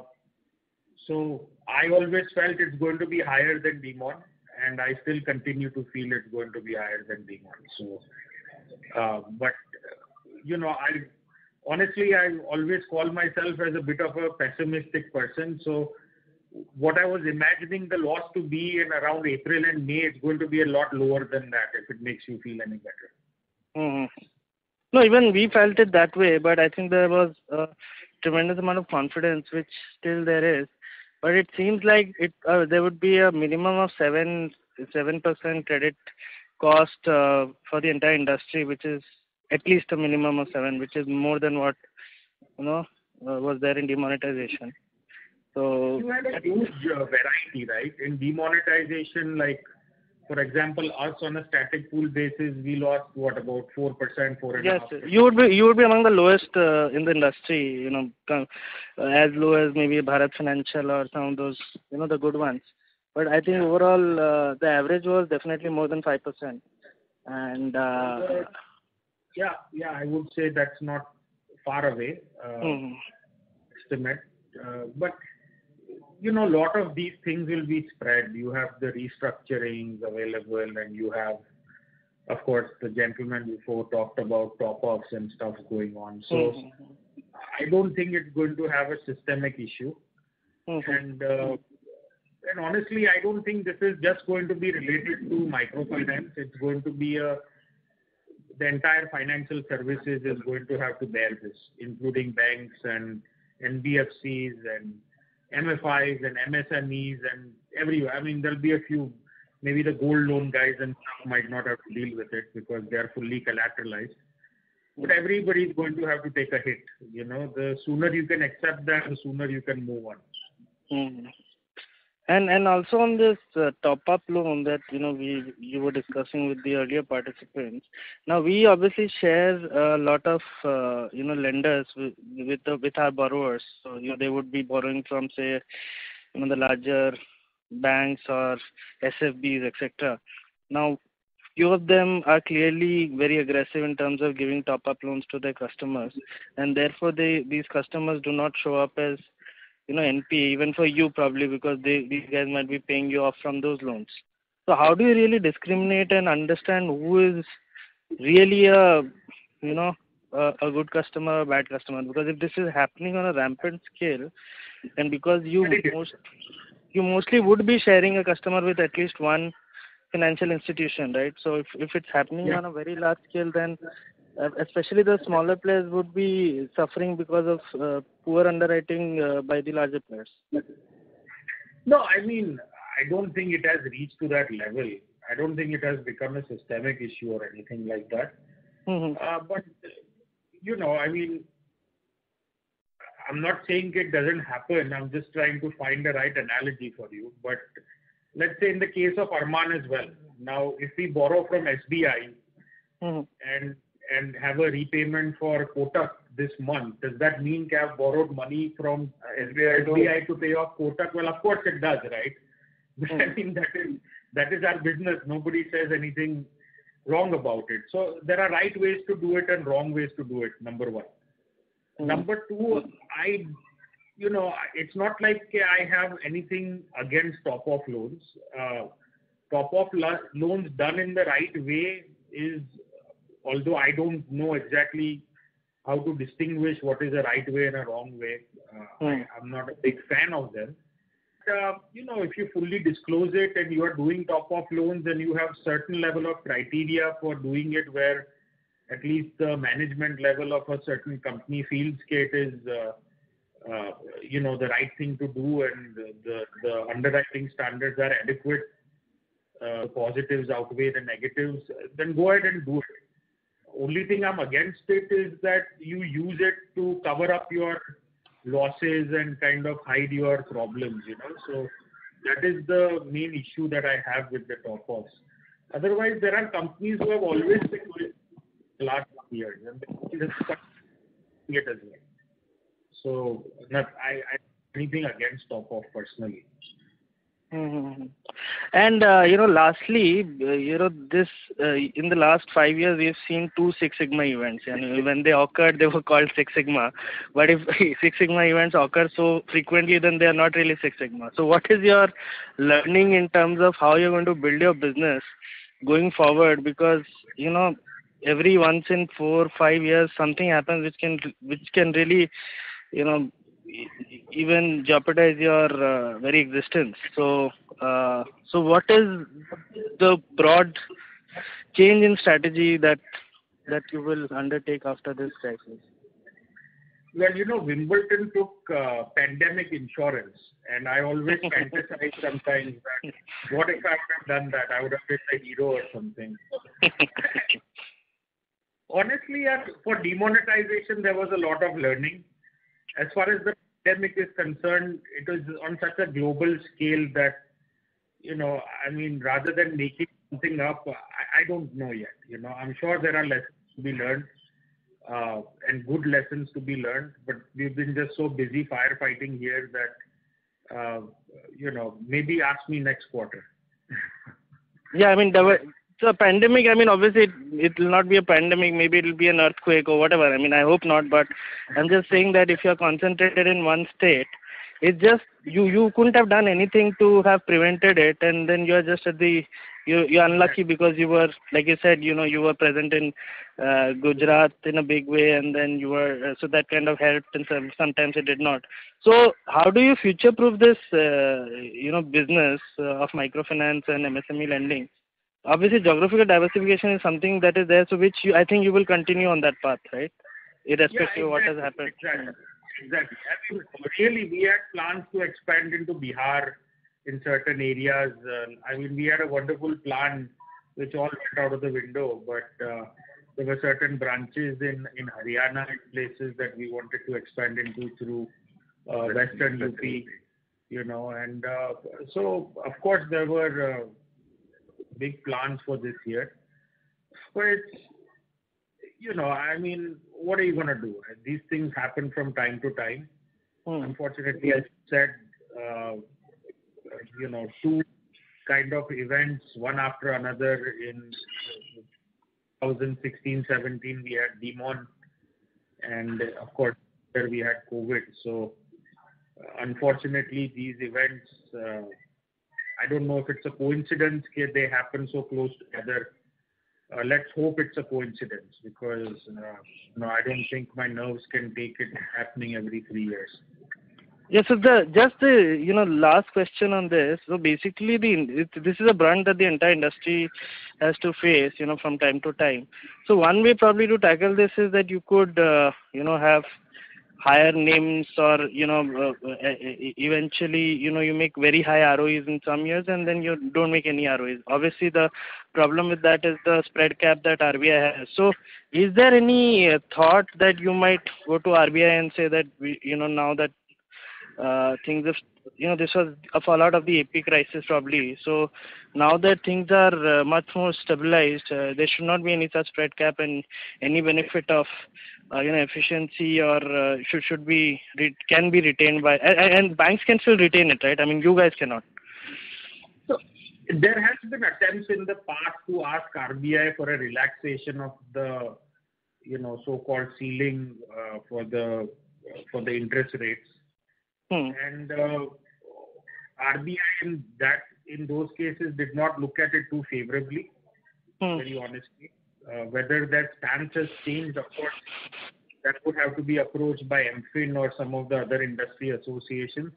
always felt it's going to be higher than demonetization, and I still continue to feel it's going to be higher than demonetization. Honestly, I always call myself as a bit of a pessimistic person, so what I was imagining the loss to be in around April and May, it's going to be a lot lower than that, if it makes you feel any better. Even we felt it that way, but I think there was a tremendous amount of confidence, which still there is, but it seems like there would be a minimum of 7% credit cost for the entire industry, which is at least a minimum of seven, which is more than what was there in demonetization. You had a huge variety, right. In demonetization, for example, us on a static pool basis, we lost what? About 4%, 4.5%? Yes. You would be among the lowest in the industry. As low as maybe Bharat Financial or some of those good ones. I think overall, the average was definitely more than 5%. Yeah. I would say that's not far away estimate. Lot of these things will be spread. You have the restructurings available, and you have, of course, the gentleman before talked about top-ups and stuff going on. I don't think it's going to have a systemic issue. Okay. Honestly, I don't think this is just going to be related to microfinance. The entire financial services is going to have to bear this, including banks and NBFCs and MFIs and MSMEs and everywhere. There'll be a few, maybe the gold loan guys and some might not have to deal with it because they're fully collateralized. Everybody's going to have to take a hit. The sooner you can accept that, the sooner you can move on. Also on this top-up loan that you were discussing with the earlier participants. Now, we obviously share a lot of lenders with our borrowers. They would be borrowing from, say, the larger banks or SFBs, et cetera. Now, few of them are clearly very aggressive in terms of giving top-up loans to their customers, therefore these customers do not show up as NPA even for you, probably because these guys might be paying you off from those loans. How do you really discriminate and understand who is really a good customer or bad customer? Because if this is happening on a rampant scale you mostly would be sharing a customer with at least one financial institution, right? Yeah On a very large scale, then especially the smaller players would be suffering because of poor underwriting by the larger players. No, I don't think it has reached to that level. I don't think it has become a systemic issue or anything like that. I'm not saying it doesn't happen. I'm just trying to find the right analogy for you. Let's say in the case of Arman as well. Now, if we borrow from SBI. Have a repayment for Kotak this month, does that mean I've borrowed money from SBI? To pay off Kotak? Well, of course it does, right. I mean that is our business. Nobody says anything wrong about it. There are right ways to do it and wrong ways to do it, number one. Number two, it's not like I have anything against top-up loans. Top-up loans done in the right way is, although I don't know exactly how to distinguish what is a right way and a wrong way. Right. I'm not a big fan of them. If you fully disclose it and you are doing top-up loans, and you have certain level of criteria for doing it where at least the management level of a certain company feels it is the right thing to do, and the underwriting standards are adequate, the positives outweigh the negatives, then go ahead and do it. Only thing I'm against it is that you use it to cover up your losses and kind of hide your problems. That is the main issue that I have with the top-ups. Otherwise, there are companies who have always been my last year, and there is as well. I have anything against top-up personally. Lastly, in the last five years, we have seen two Six Sigma events, and when they occurred, they were called Six Sigma. If Six Sigma events occur so frequently, then they are not really Six Sigma. What is your learning in terms of how you're going to build your business going forward? Every once in four, five years, something happens which can really even jeopardize your very existence. What is the broad change in strategy that you will undertake after this crisis? Well, Wimbledon took pandemic insurance, and I fantasize sometimes that what if I would have done that? I would have been a hero or something. Honestly, for demonetization, there was a lot of learning. As far as the pandemic is concerned, it was on such a global scale that rather than making something up, I don't know yet. I'm sure there are lessons to be learned, and good lessons to be learned, but we've been just so busy firefighting here that maybe ask me next quarter. Yeah. Pandemic, obviously it will not be a pandemic. Maybe it'll be an earthquake or whatever. I hope not, but I'm just saying that if you're concentrated in one state, you couldn't have done anything to have prevented it, and then you're unlucky because you were, like you said, you were present in Gujarat in a big way, and then that kind of helped, and sometimes it did not. How do you future-proof this business of microfinance and MSME lending? Obviously, geographical diversification is something that is there, so which I think you will continue on that path, right? Irrespective of what has happened. Exactly. I mean, really, we had plans to expand into Bihar in certain areas. We had a wonderful plan which all went out of the window, but there were certain branches in Haryana and places that we wanted to expand into through Western UP. Of course, there were big plans for this year, which what are you going to do? These things happen from time to time. Unfortunately, as you said, two kind of events, one after another. In 2016/2017, we had demonetization, and of course, after we had COVID. Unfortunately, these events, I don't know if it's a coincidence that they happen so close together. Let's hope it's a coincidence because I don't think my nerves can take it happening every three years. Yeah. Just last question on this. Basically, this is a brunt that the entire industry has to face from time to time. One way probably to tackle this is that you could have higher names or eventually, you make very high ROEs in some years and then you don't make any ROEs. Obviously, the problem with that is the spread cap that RBI has. Is there any thought that you might go to RBI and say that now that things have This was a fallout of the AP crisis, probably. Now that things are much more stabilized, there should not be any such spread cap and any benefit of efficiency can be retained by Banks can still retain it, right? I mean, you guys cannot. There has been attempts in the past to ask RBI for a relaxation of the so-called ceiling for the interest rates. RBI in those cases did not look at it too favorably. Very honestly. Whether that stance has changed, of course, that would have to be approached by MFIN or some of the other industry associations,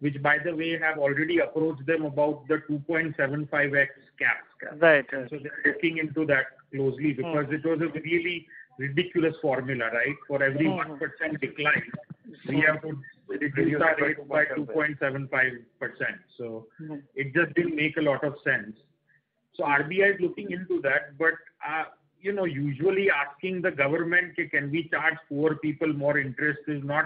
which, by the way, have already approached them about the 2.75x cap. Right. They're looking into that closely because it was a really ridiculous formula, right. For every 1% decline, we have to reduce our rate by 2.75%. It just didn't make a lot of sense. RBI is looking into that. Usually asking the government, "Can we charge poor people more interest? No,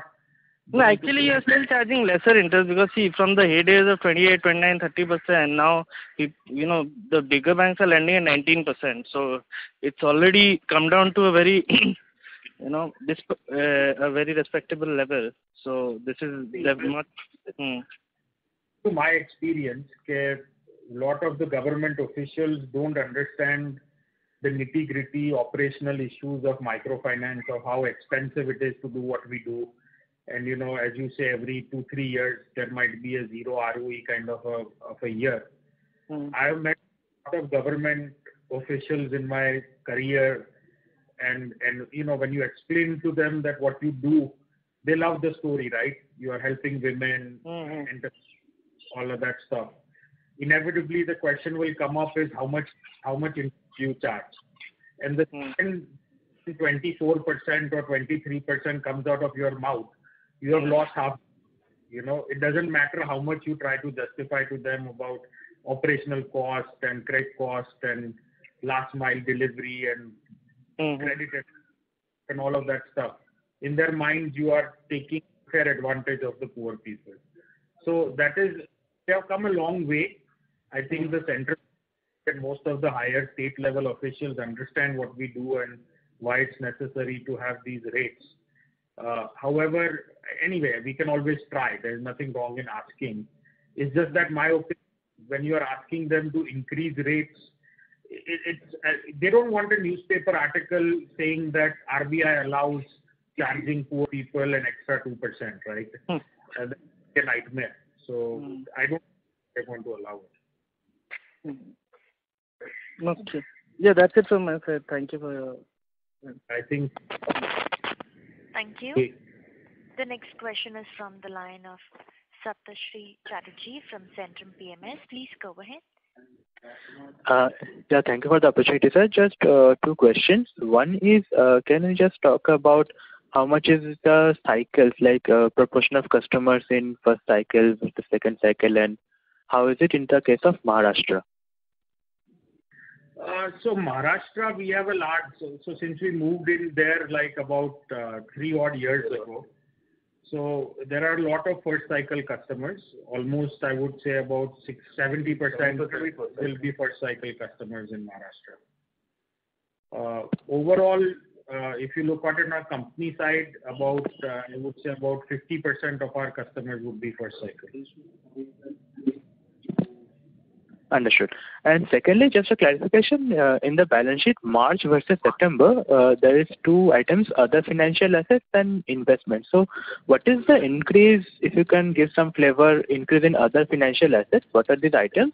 actually, you're still charging lesser interest because see, from the heydays of 28%, 29%, 30%, now the bigger banks are lending at 19%. It's already come down to a very respectable level. To my experience, lot of the government officials don't understand the nitty-gritty operational issues of microfinance or how expensive it is to do what we do. As you say, every two, three years, there might be a zero ROE kind of a year. I have met a lot of government officials in my career and when you explain to them that what you do, they love the story, right. You are helping women. All of that stuff. Inevitably, the question will come up is how much you charge. The second 24% or 23% comes out of your mouth, you have lost half. It doesn't matter how much you try to justify to them about operational cost and credit cost and last mile delivery and credit risk and all of that stuff. In their minds, you are taking unfair advantage of the poor people. We have come a long way. I think the center and most of the higher state-level officials understand what we do and why it's necessary to have these rates. However, anyway, we can always try. There's nothing wrong in asking. It's just that my opinion, when you are asking them to increase rates, they don't want a newspaper article saying that RBI allows charging poor people an extra 2%, right? That's a nightmare. I don't think they're going to allow it. Okay. Yeah, that's it from my side. Thank you for your I think- Thank you. The next question is from the line of Saptarshee Chatterjee from Centrum PMS. Please go ahead. Yeah, thank you for the opportunity, sir. Just two questions. One is, can you just talk about how much is the cycles, like proportion of customers in first cycle to second cycle, and how is it in the case of Maharashtra? Maharashtra, since we moved in there about three odd years ago. There are a lot of first cycle customers. Almost, I would say about 70% will be first cycle customers in Maharashtra. Overall, if you look at in our company side, I would say about 50% of our customers would be first cycle. Understood. Secondly, just a clarification. In the balance sheet, March versus September, there is two items, other financial assets and investments. What is the increase? If you can give some flavor, increase in other financial assets, what are these items?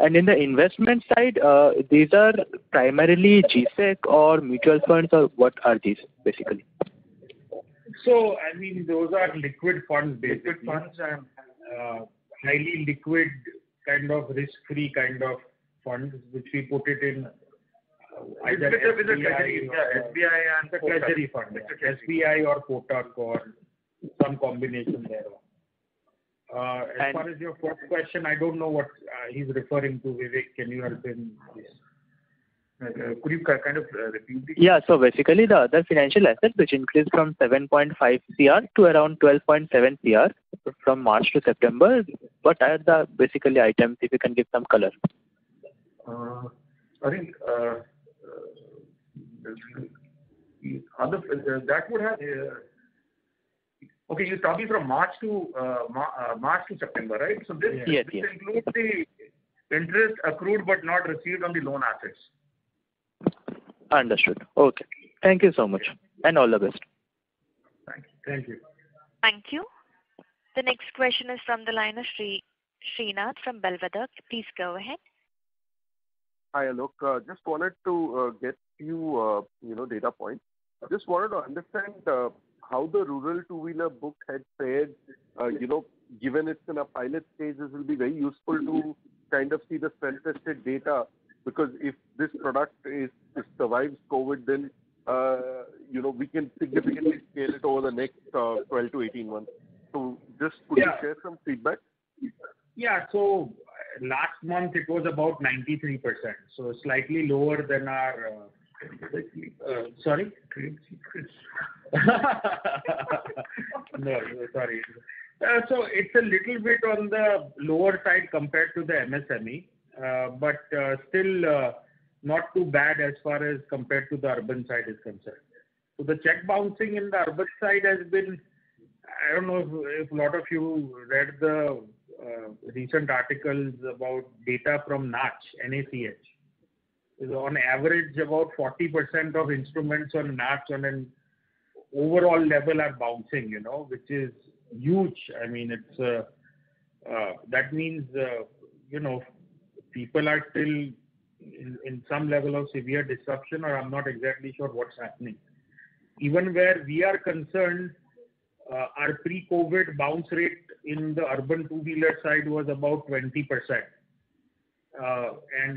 In the investment side, these are primarily G-Sec or mutual funds, or what are these basically? Those are liquid funds, basically. Highly liquid, risk-free kind of funds, which we put it in. It's better with a treasury fund. SBI and Kotak or some combination thereof. As far as your first question, I don't know what he's referring to. Vivek, can you help him? Could you kind of repeat it? Yeah. Basically the other financial assets which increased from 7.5 crore to around 12.7 crore from March to September. What are the basically items, if you can give some color? I think that would have Okay, you're talking from March to September, right? Yes. This includes the interest accrued but not received on the loan assets. Understood. Okay. Thank you so much, and all the best. Thank you. Thank you. The next question is from the line of Srinath from Bellwether. Please go ahead. Hi, Aalok. Wanted to get few data points. Wanted to understand how the rural two-wheeler book had fared. Given it's in a pilot phase, this will be very useful to kind of see the self-tested data, because if this product survives COVID, then we can significantly scale it over the next 12-18 months. Could you share some feedback? Yeah. Last month it was about 93%. Slightly lower than our, Sorry? Trade secret. No, sorry. It's a little bit on the lower side compared to the MSME, but still not too bad as far as compared to the urban side is concerned. The check bouncing in the urban side has been, I don't know if a lot of you read the recent articles about data from NACH, N-A-C-H. On average, about 40% of instruments on NACH on an overall level are bouncing, which is huge. That means people are still in some level of severe disruption, or I'm not exactly sure what's happening. Even where we are concerned, our pre-COVID bounce rate in the urban two-wheeler side was about 20%.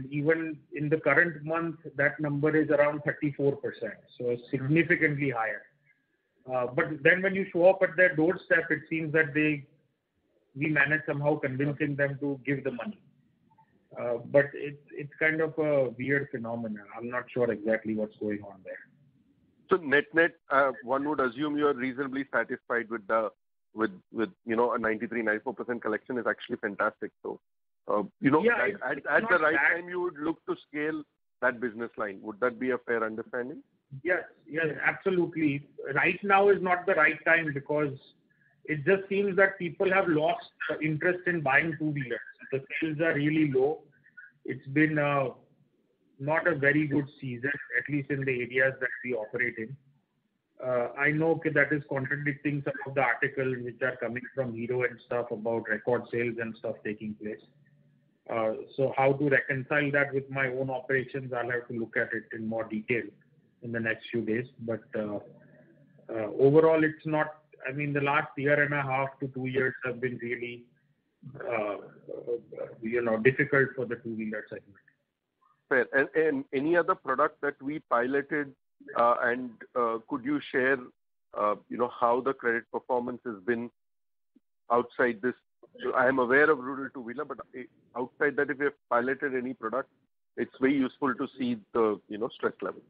Even in the current month, that number is around 34%, so significantly higher. When you show up at their doorstep, it seems that we manage somehow convincing them to give the money. It's kind of a weird phenomenon. I'm not sure exactly what's going on there. Net-net, one would assume you're reasonably satisfied with a 93%-94% collection is actually fantastic. Yeah. It's not that- At the right time, you would look to scale that business line. Would that be a fair understanding? Yes. Absolutely. Right now is not the right time because it just seems that people have lost interest in buying two-wheelers. The sales are really low. It's been not a very good season, at least in the areas that we operate in. I know that is contradicting some of the articles which are coming from Hero and stuff about record sales and stuff taking place. How to reconcile that with my own operations, I'll have to look at it in more detail in the next few days. Overall, the last one and a half to two years have been really difficult for the two-wheeler segment. Fair. Any other product that we piloted, and could you share how the credit performance has been outside this? I am aware of rural two-wheeler, but outside that, if you have piloted any product, it's very useful to see the stress level.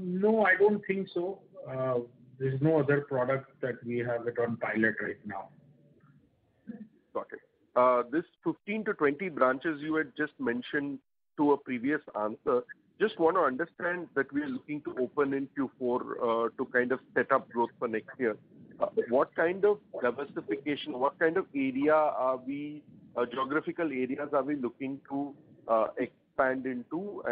No, I don't think so. There's no other product that we have it on pilot right now. Got it. These 15-20 branches you had just mentioned to a previous answer, just want to understand that we are looking to open in Q4 to set up growth for next year. What kind of diversification, what kind of geographical areas are we looking to expand into?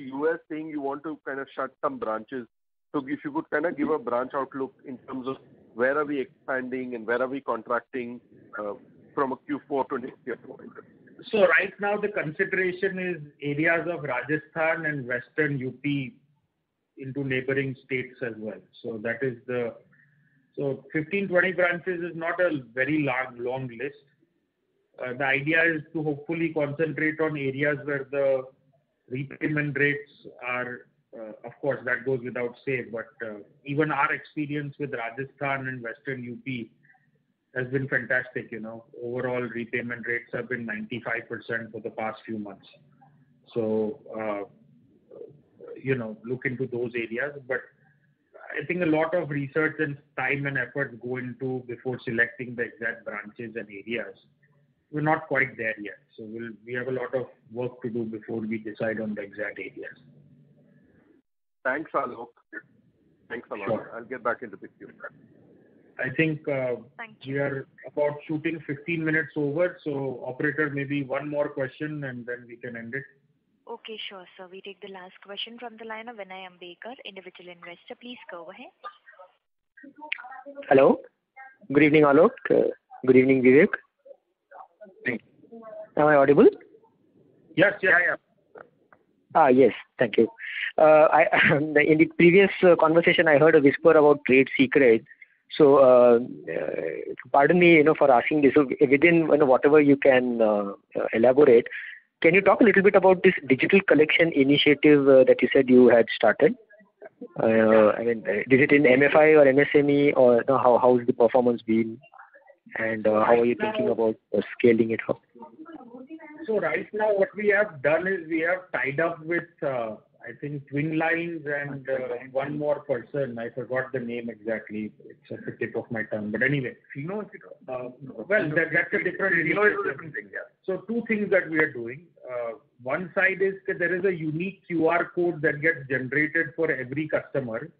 You were saying you want to shut some branches. If you could give a branch outlook in terms of where are we expanding and where are we contracting from a Q4 to next year point of view? Right now the consideration is areas of Rajasthan and Western UP into neighboring states as well. 15, 20 branches is not a very long list. The idea is to hopefully concentrate on areas where the repayment rates are, of course, that goes without saying. Even our experience with Rajasthan and Western UP has been fantastic. Overall repayment rates have been 95% for the past few months. Look into those areas. I think a lot of research and time and effort go into before selecting the exact branches and areas. We're not quite there yet. We have a lot of work to do before we decide on the exact areas. Thanks, Aalok. Thanks a lot. Sure. I'll get back into the queue then. I think we are about shooting 15 minutes over, so operator, maybe one more question and then we can end it. Okay, sure. We take the last question from the line of Vinay Ambekar, individual investor. Please go ahead. Hello. Good evening, Aalok. Good evening, Vivek. Hey. Am I audible? Yes. Yeah. Yes. Thank you. In the previous conversation, I heard a whisper about trade secret. Pardon me for asking this. Within whatever you can elaborate, can you talk a little bit about this digital collection initiative that you said you had started? Is it in MFI or MSME, or how has the performance been, and how are you thinking about scaling it up? Right now what we have done is we have tied up with, I think Twin Lines and one more person, I forgot the name exactly. It's at the tip of my tongue. Anyway. [crosstalk] Well, that's a different thing. Two things that we are doing. One side is there is a unique QR code that gets generated for every customer.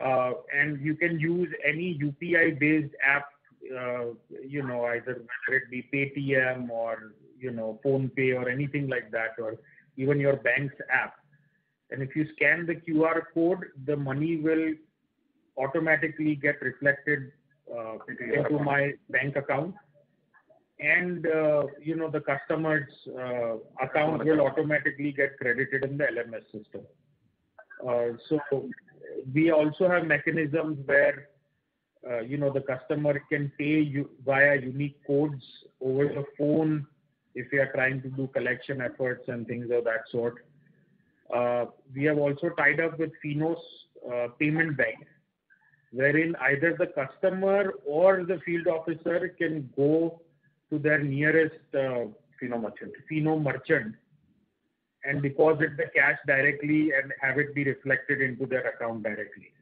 You can use any UPI-based app, either let it be Paytm or PhonePe or anything like that, or even your bank's app. If you scan the QR code, the money will automatically get reflected into my bank account. The customer's account will automatically get credited in the LMS system. We also have mechanisms where the customer can pay via unique codes over the phone if we are trying to do collection efforts and things of that sort. We have also tied up with Fino Payments Bank, wherein either the customer or the field officer can go to their nearest- Fino merchant. Fino merchant and deposit the cash directly and have it be reflected into their account directly.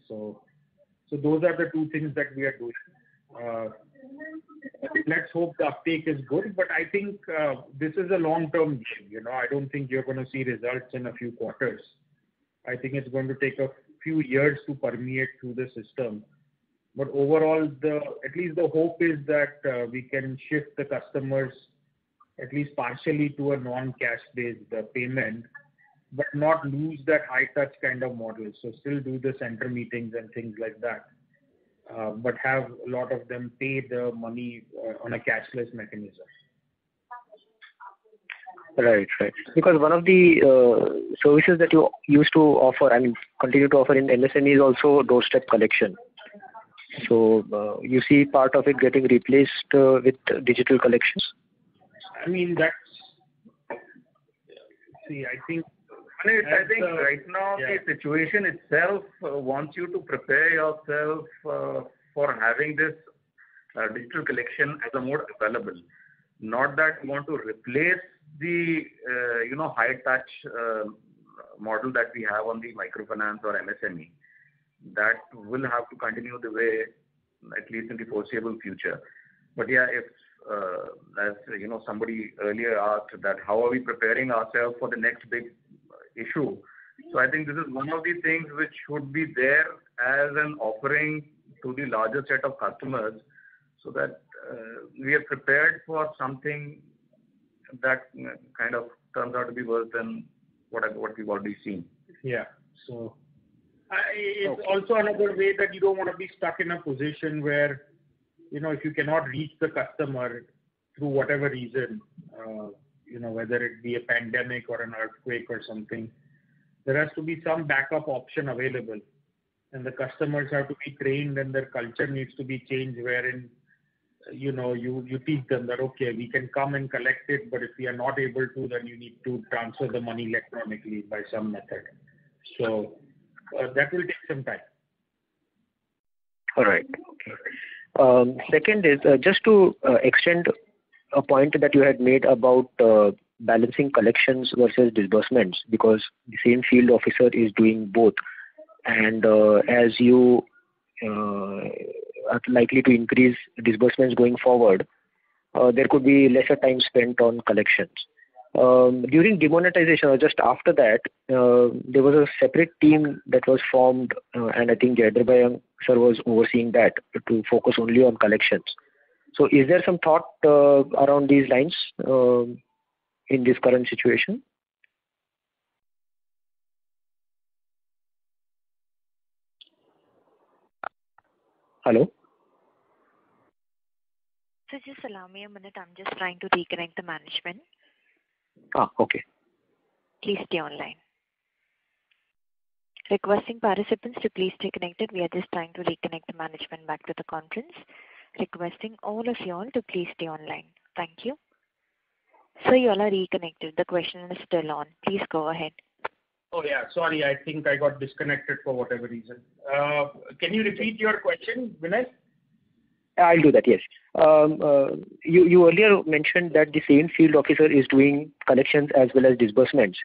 Those are the two things that we are doing. Let's hope the uptake is good, but I think this is a long-term game. I don't think you're going to see results in a few quarters. I think it's going to take a few years to permeate through the system. Overall, at least the hope is that we can shift the customers at least partially to a non-cash based payment, but not lose that high touch kind of model. Still do the center meetings and things like that, but have a lot of them pay their money on a cashless mechanism. Right. One of the services that you used to offer and continue to offer in MSME is also doorstep collection. You see part of it getting replaced with digital collections? I mean, that's. See. I think right now the situation itself wants you to prepare yourself for having this digital collection as a mode available. Not that you want to replace the high touch model that we have on the microfinance or MSME. That will have to continue the way, at least in the foreseeable future. Yeah, as somebody earlier asked that how are we preparing ourselves for the next big issue? I think this is one of the things which should be there as an offering to the larger set of customers so that we are prepared for something that turns out to be worse than what we've already seen. Yeah. It's also another way that you don't want to be stuck in a position where if you cannot reach the customer through whatever reason, whether it be a pandemic or an earthquake or something, there has to be some backup option available and the customers have to be trained and their culture needs to be changed wherein you teach them that, "Okay, we can come and collect it, but if we are not able to, then you need to transfer the money electronically by some method." That will take some time. All right. Okay. Second is just to extend a point that you had made about balancing collections versus disbursements because the same field officer is doing both and as you are likely to increase disbursements going forward, there could be lesser time spent on collections. During demonetization or just after that, there was a separate team that was formed and I think Jayendra Patel sir was overseeing that to focus only on collections. Is there some thought around these lines in this current situation? Hello? Sir, just allow me a minute. I'm just trying to reconnect the management. Oh, okay. Please stay online. Requesting participants to please stay connected. We are just trying to reconnect the management back to the conference. Requesting all of you all to please stay online. Thank you. Sir, you all are reconnected. The question is still on. Please go ahead. Oh, yeah, sorry. I think I got disconnected for whatever reason. Can you repeat your question, Vinay? I'll do that. Yes. You earlier mentioned that the same field officer is doing collections as well as disbursements,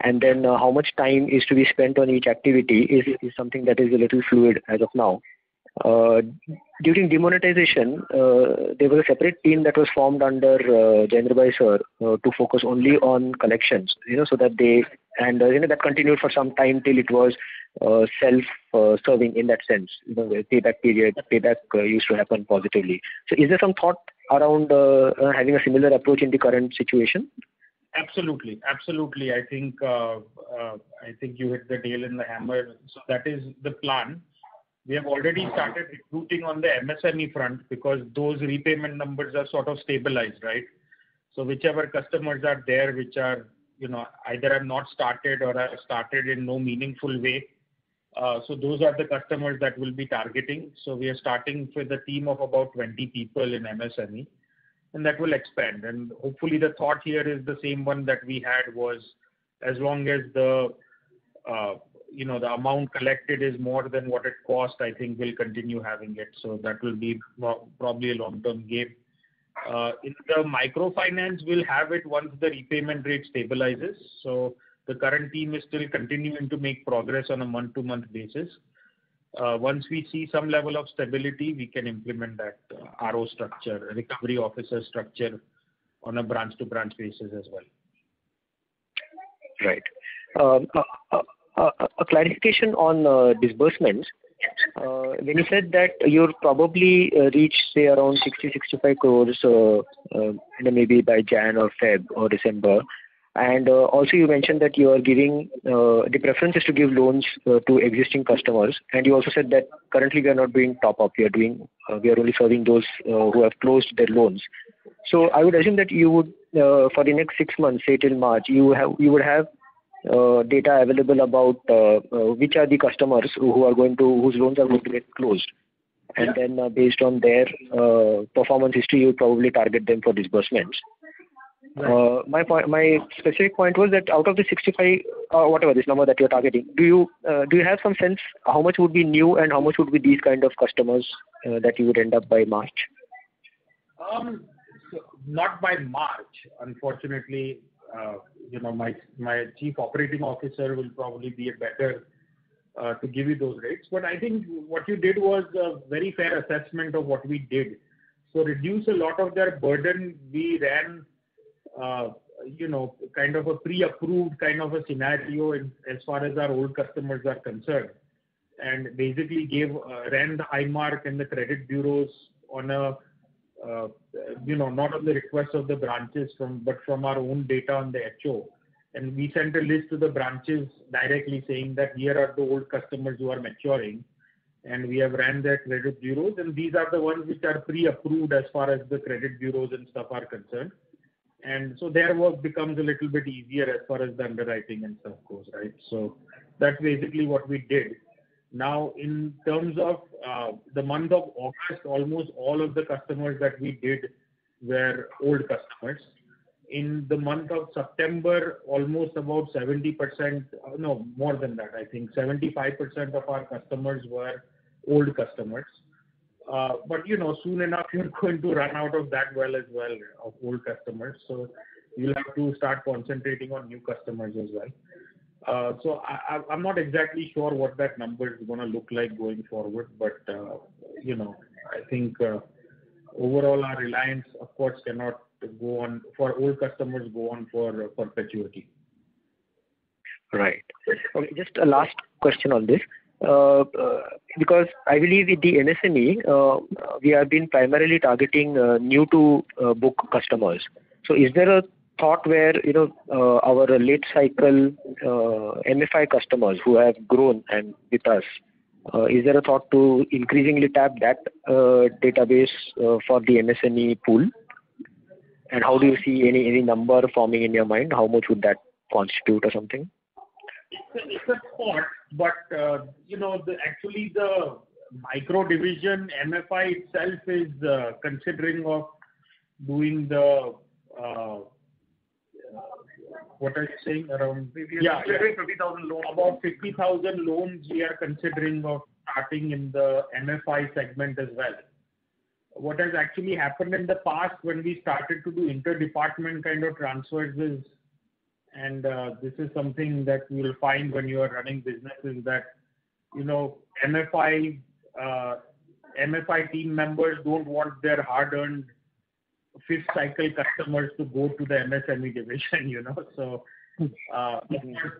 and then how much time is to be spent on each activity is something that is a little fluid as of now. During demonetization, there was a separate team that was formed under Jayendra Patel sir to focus only on collections. That continued for some time till it was self-serving in that sense. The payback period, the payback used to happen positively. Is there some thought around having a similar approach in the current situation? Absolutely. I think you hit the nail on the head. That is the plan. We have already started recruiting on the MSME front because those repayment numbers are sort of stabilized. Whichever customers are there which either have not started or have started in no meaningful way, so those are the customers that we'll be targeting. We are starting with a team of about 20 people in MSME and that will expand. Hopefully the thought here is the same one that we had was as long as the amount collected is more than what it cost, I think we'll continue having it. That will be probably a long-term game. In the microfinance, we'll have it once the repayment rate stabilizes. The current team is still continuing to make progress on a month-to-month basis. Once we see some level of stability, we can implement that RO structure, recovery officer structure on a branch-to-branch basis as well. Right. A clarification on disbursements. When you said that you'll probably reach, say around 60 crores, INR 65 crores maybe by January or February or December and also you mentioned that the preference is to give loans to existing customers, and you also said that currently we are not doing top up, we are only serving those who have closed their loans. I would assume that you would, for the next six months, say till March, you would have data available about which are the customers whose loans are going to get closed. And then based on their performance history, you'll probably target them for disbursements. Right. My specific point was that out of the 65 or whatever this number that you're targeting, do you have some sense how much would be new and how much would be these kind of customers that you would end up by March? Not by March, unfortunately. My chief operating officer will probably be better to give you those rates. I think what you did was a very fair assessment of what we did. Reduce a lot of their burden, we ran kind of a pre-approved kind of a scenario as far as our old customers are concerned, and basically ran the High Mark and the credit bureaus not on the request of the branches, but from our own data on the HO. We sent a list to the branches directly saying that here are the old customers who are maturing, and we have ran their credit bureaus, and these are the ones which are pre-approved as far as the credit bureaus and stuff are concerned. Their work becomes a little bit easier as far as the underwriting and stuff goes, right. That's basically what we did. Now, in terms of the month of August, almost all of the customers that we did were old customers. In the month of September, almost about 70%, no, more than that, I think 75% of our customers were old customers. Soon enough, you're going to run out of that well as well, of old customers, so you'll have to start concentrating on new customers as well. I'm not exactly sure what that number is going to look like going forward. I think overall, our reliance, of course, cannot go on for old customers go on for perpetuity. Right. Just a last question on this. I believe with the MSME, we have been primarily targeting new-to-bank customers. Is there a thought where our late cycle MFI customers who have grown and with us, is there a thought to increasingly tap that database for the MSME pool? How do you see any number forming in your mind? How much would that constitute or something? It's a thought, but actually, the micro division MFI itself is considering of doing the. Maybe around INR 50,000 loans. About 50,000 loans we are considering of starting in the MFI segment as well. What has actually happened in the past when we started to do inter-department kind of transfers is, and this is something that you'll find when you are running business, is that MFI team members don't want their hard-earned fifth-cycle customers to go to the MSME division. Of course,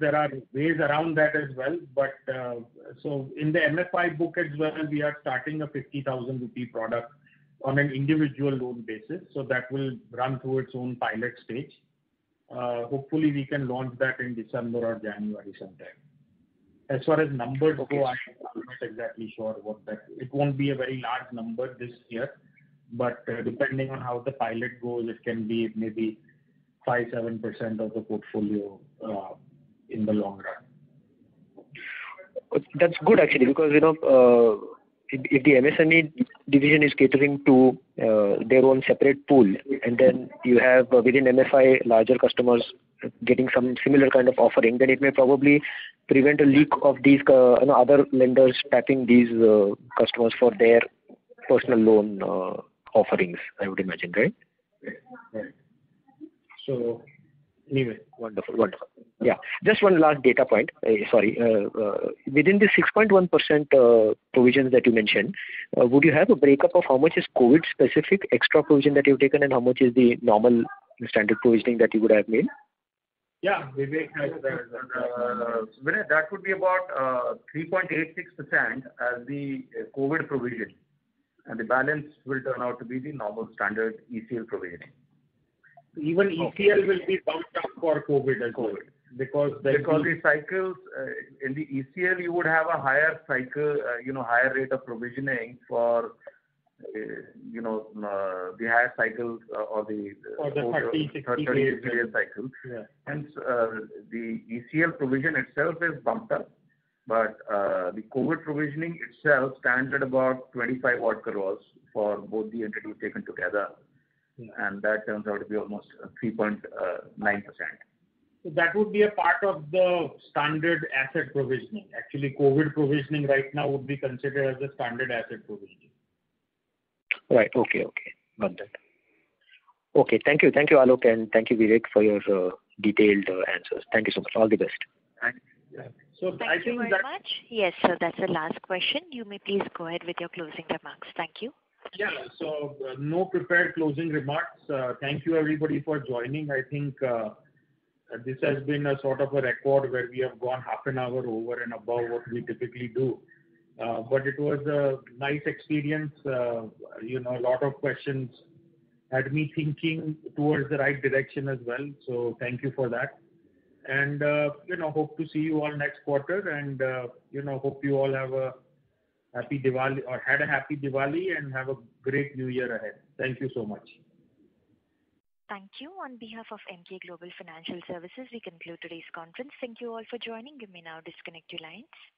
there are ways around that as well, but in the MFI book as well, we are starting a 50,000 rupee product on an individual loan basis, so that will run through its own pilot stage. Hopefully, we can launch that in December or January sometime. As far as numbers go, I'm not exactly sure. It won't be a very large number this year, but depending on how the pilot goes, it can be maybe 5%-7% of the portfolio in the long run. That's good, actually, because if the MSME division is catering to their own separate pool, and then you have within MFI larger customers getting some similar kind of offering, then it may probably prevent a leak of these other lenders tapping these customers for their personal loan offerings, I would imagine. Right? Right. Wonderful. Just one last data point. Sorry. Within the 6.1% provisions that you mentioned, would you have a breakup of how much is COVID-specific extra provision that you've taken, and how much is the normal standard provisioning that you would have made? Yeah. Vivek has the data. Vivek. That would be about 3.86% as the COVID provision, and the balance will turn out to be the normal standard ECL provisioning. Even ECL will be bumped up for COVID as well. The cycles in the ECL, you would have a higher rate of provisioning for the higher cycles or the. The 30, 60-day. 30, 60-day cycles. Yeah. The ECL provision itself is bumped up, but the COVID provisioning itself stands at about 25 crore for both the entities taken together, and that turns out to be almost 3.9%. That would be a part of the standard asset provisioning. Actually, COVID provisioning right now would be considered as a standard asset provisioning. Right. Okay. Got that. Okay. Thank you, Aalok, and thank you, Vivek, for your detailed answers. Thank you so much. All the best. Thanks. Yeah. I think. Thank you very much. Yes, that's the last question. You may please go ahead with your closing remarks. Thank you. No prepared closing remarks. Thank you, everybody, for joining. I think this has been a sort of a record where we have gone half an hour over and above what we typically do. It was a nice experience. A lot of questions had me thinking towards the right direction as well, so thank you for that. Hope to see you all next quarter, and hope you all had a happy Diwali, and have a great new year ahead. Thank you so much. Thank you. On behalf of Emkay Global Financial Services, we conclude today's conference. Thank you all for joining. You may now disconnect your lines.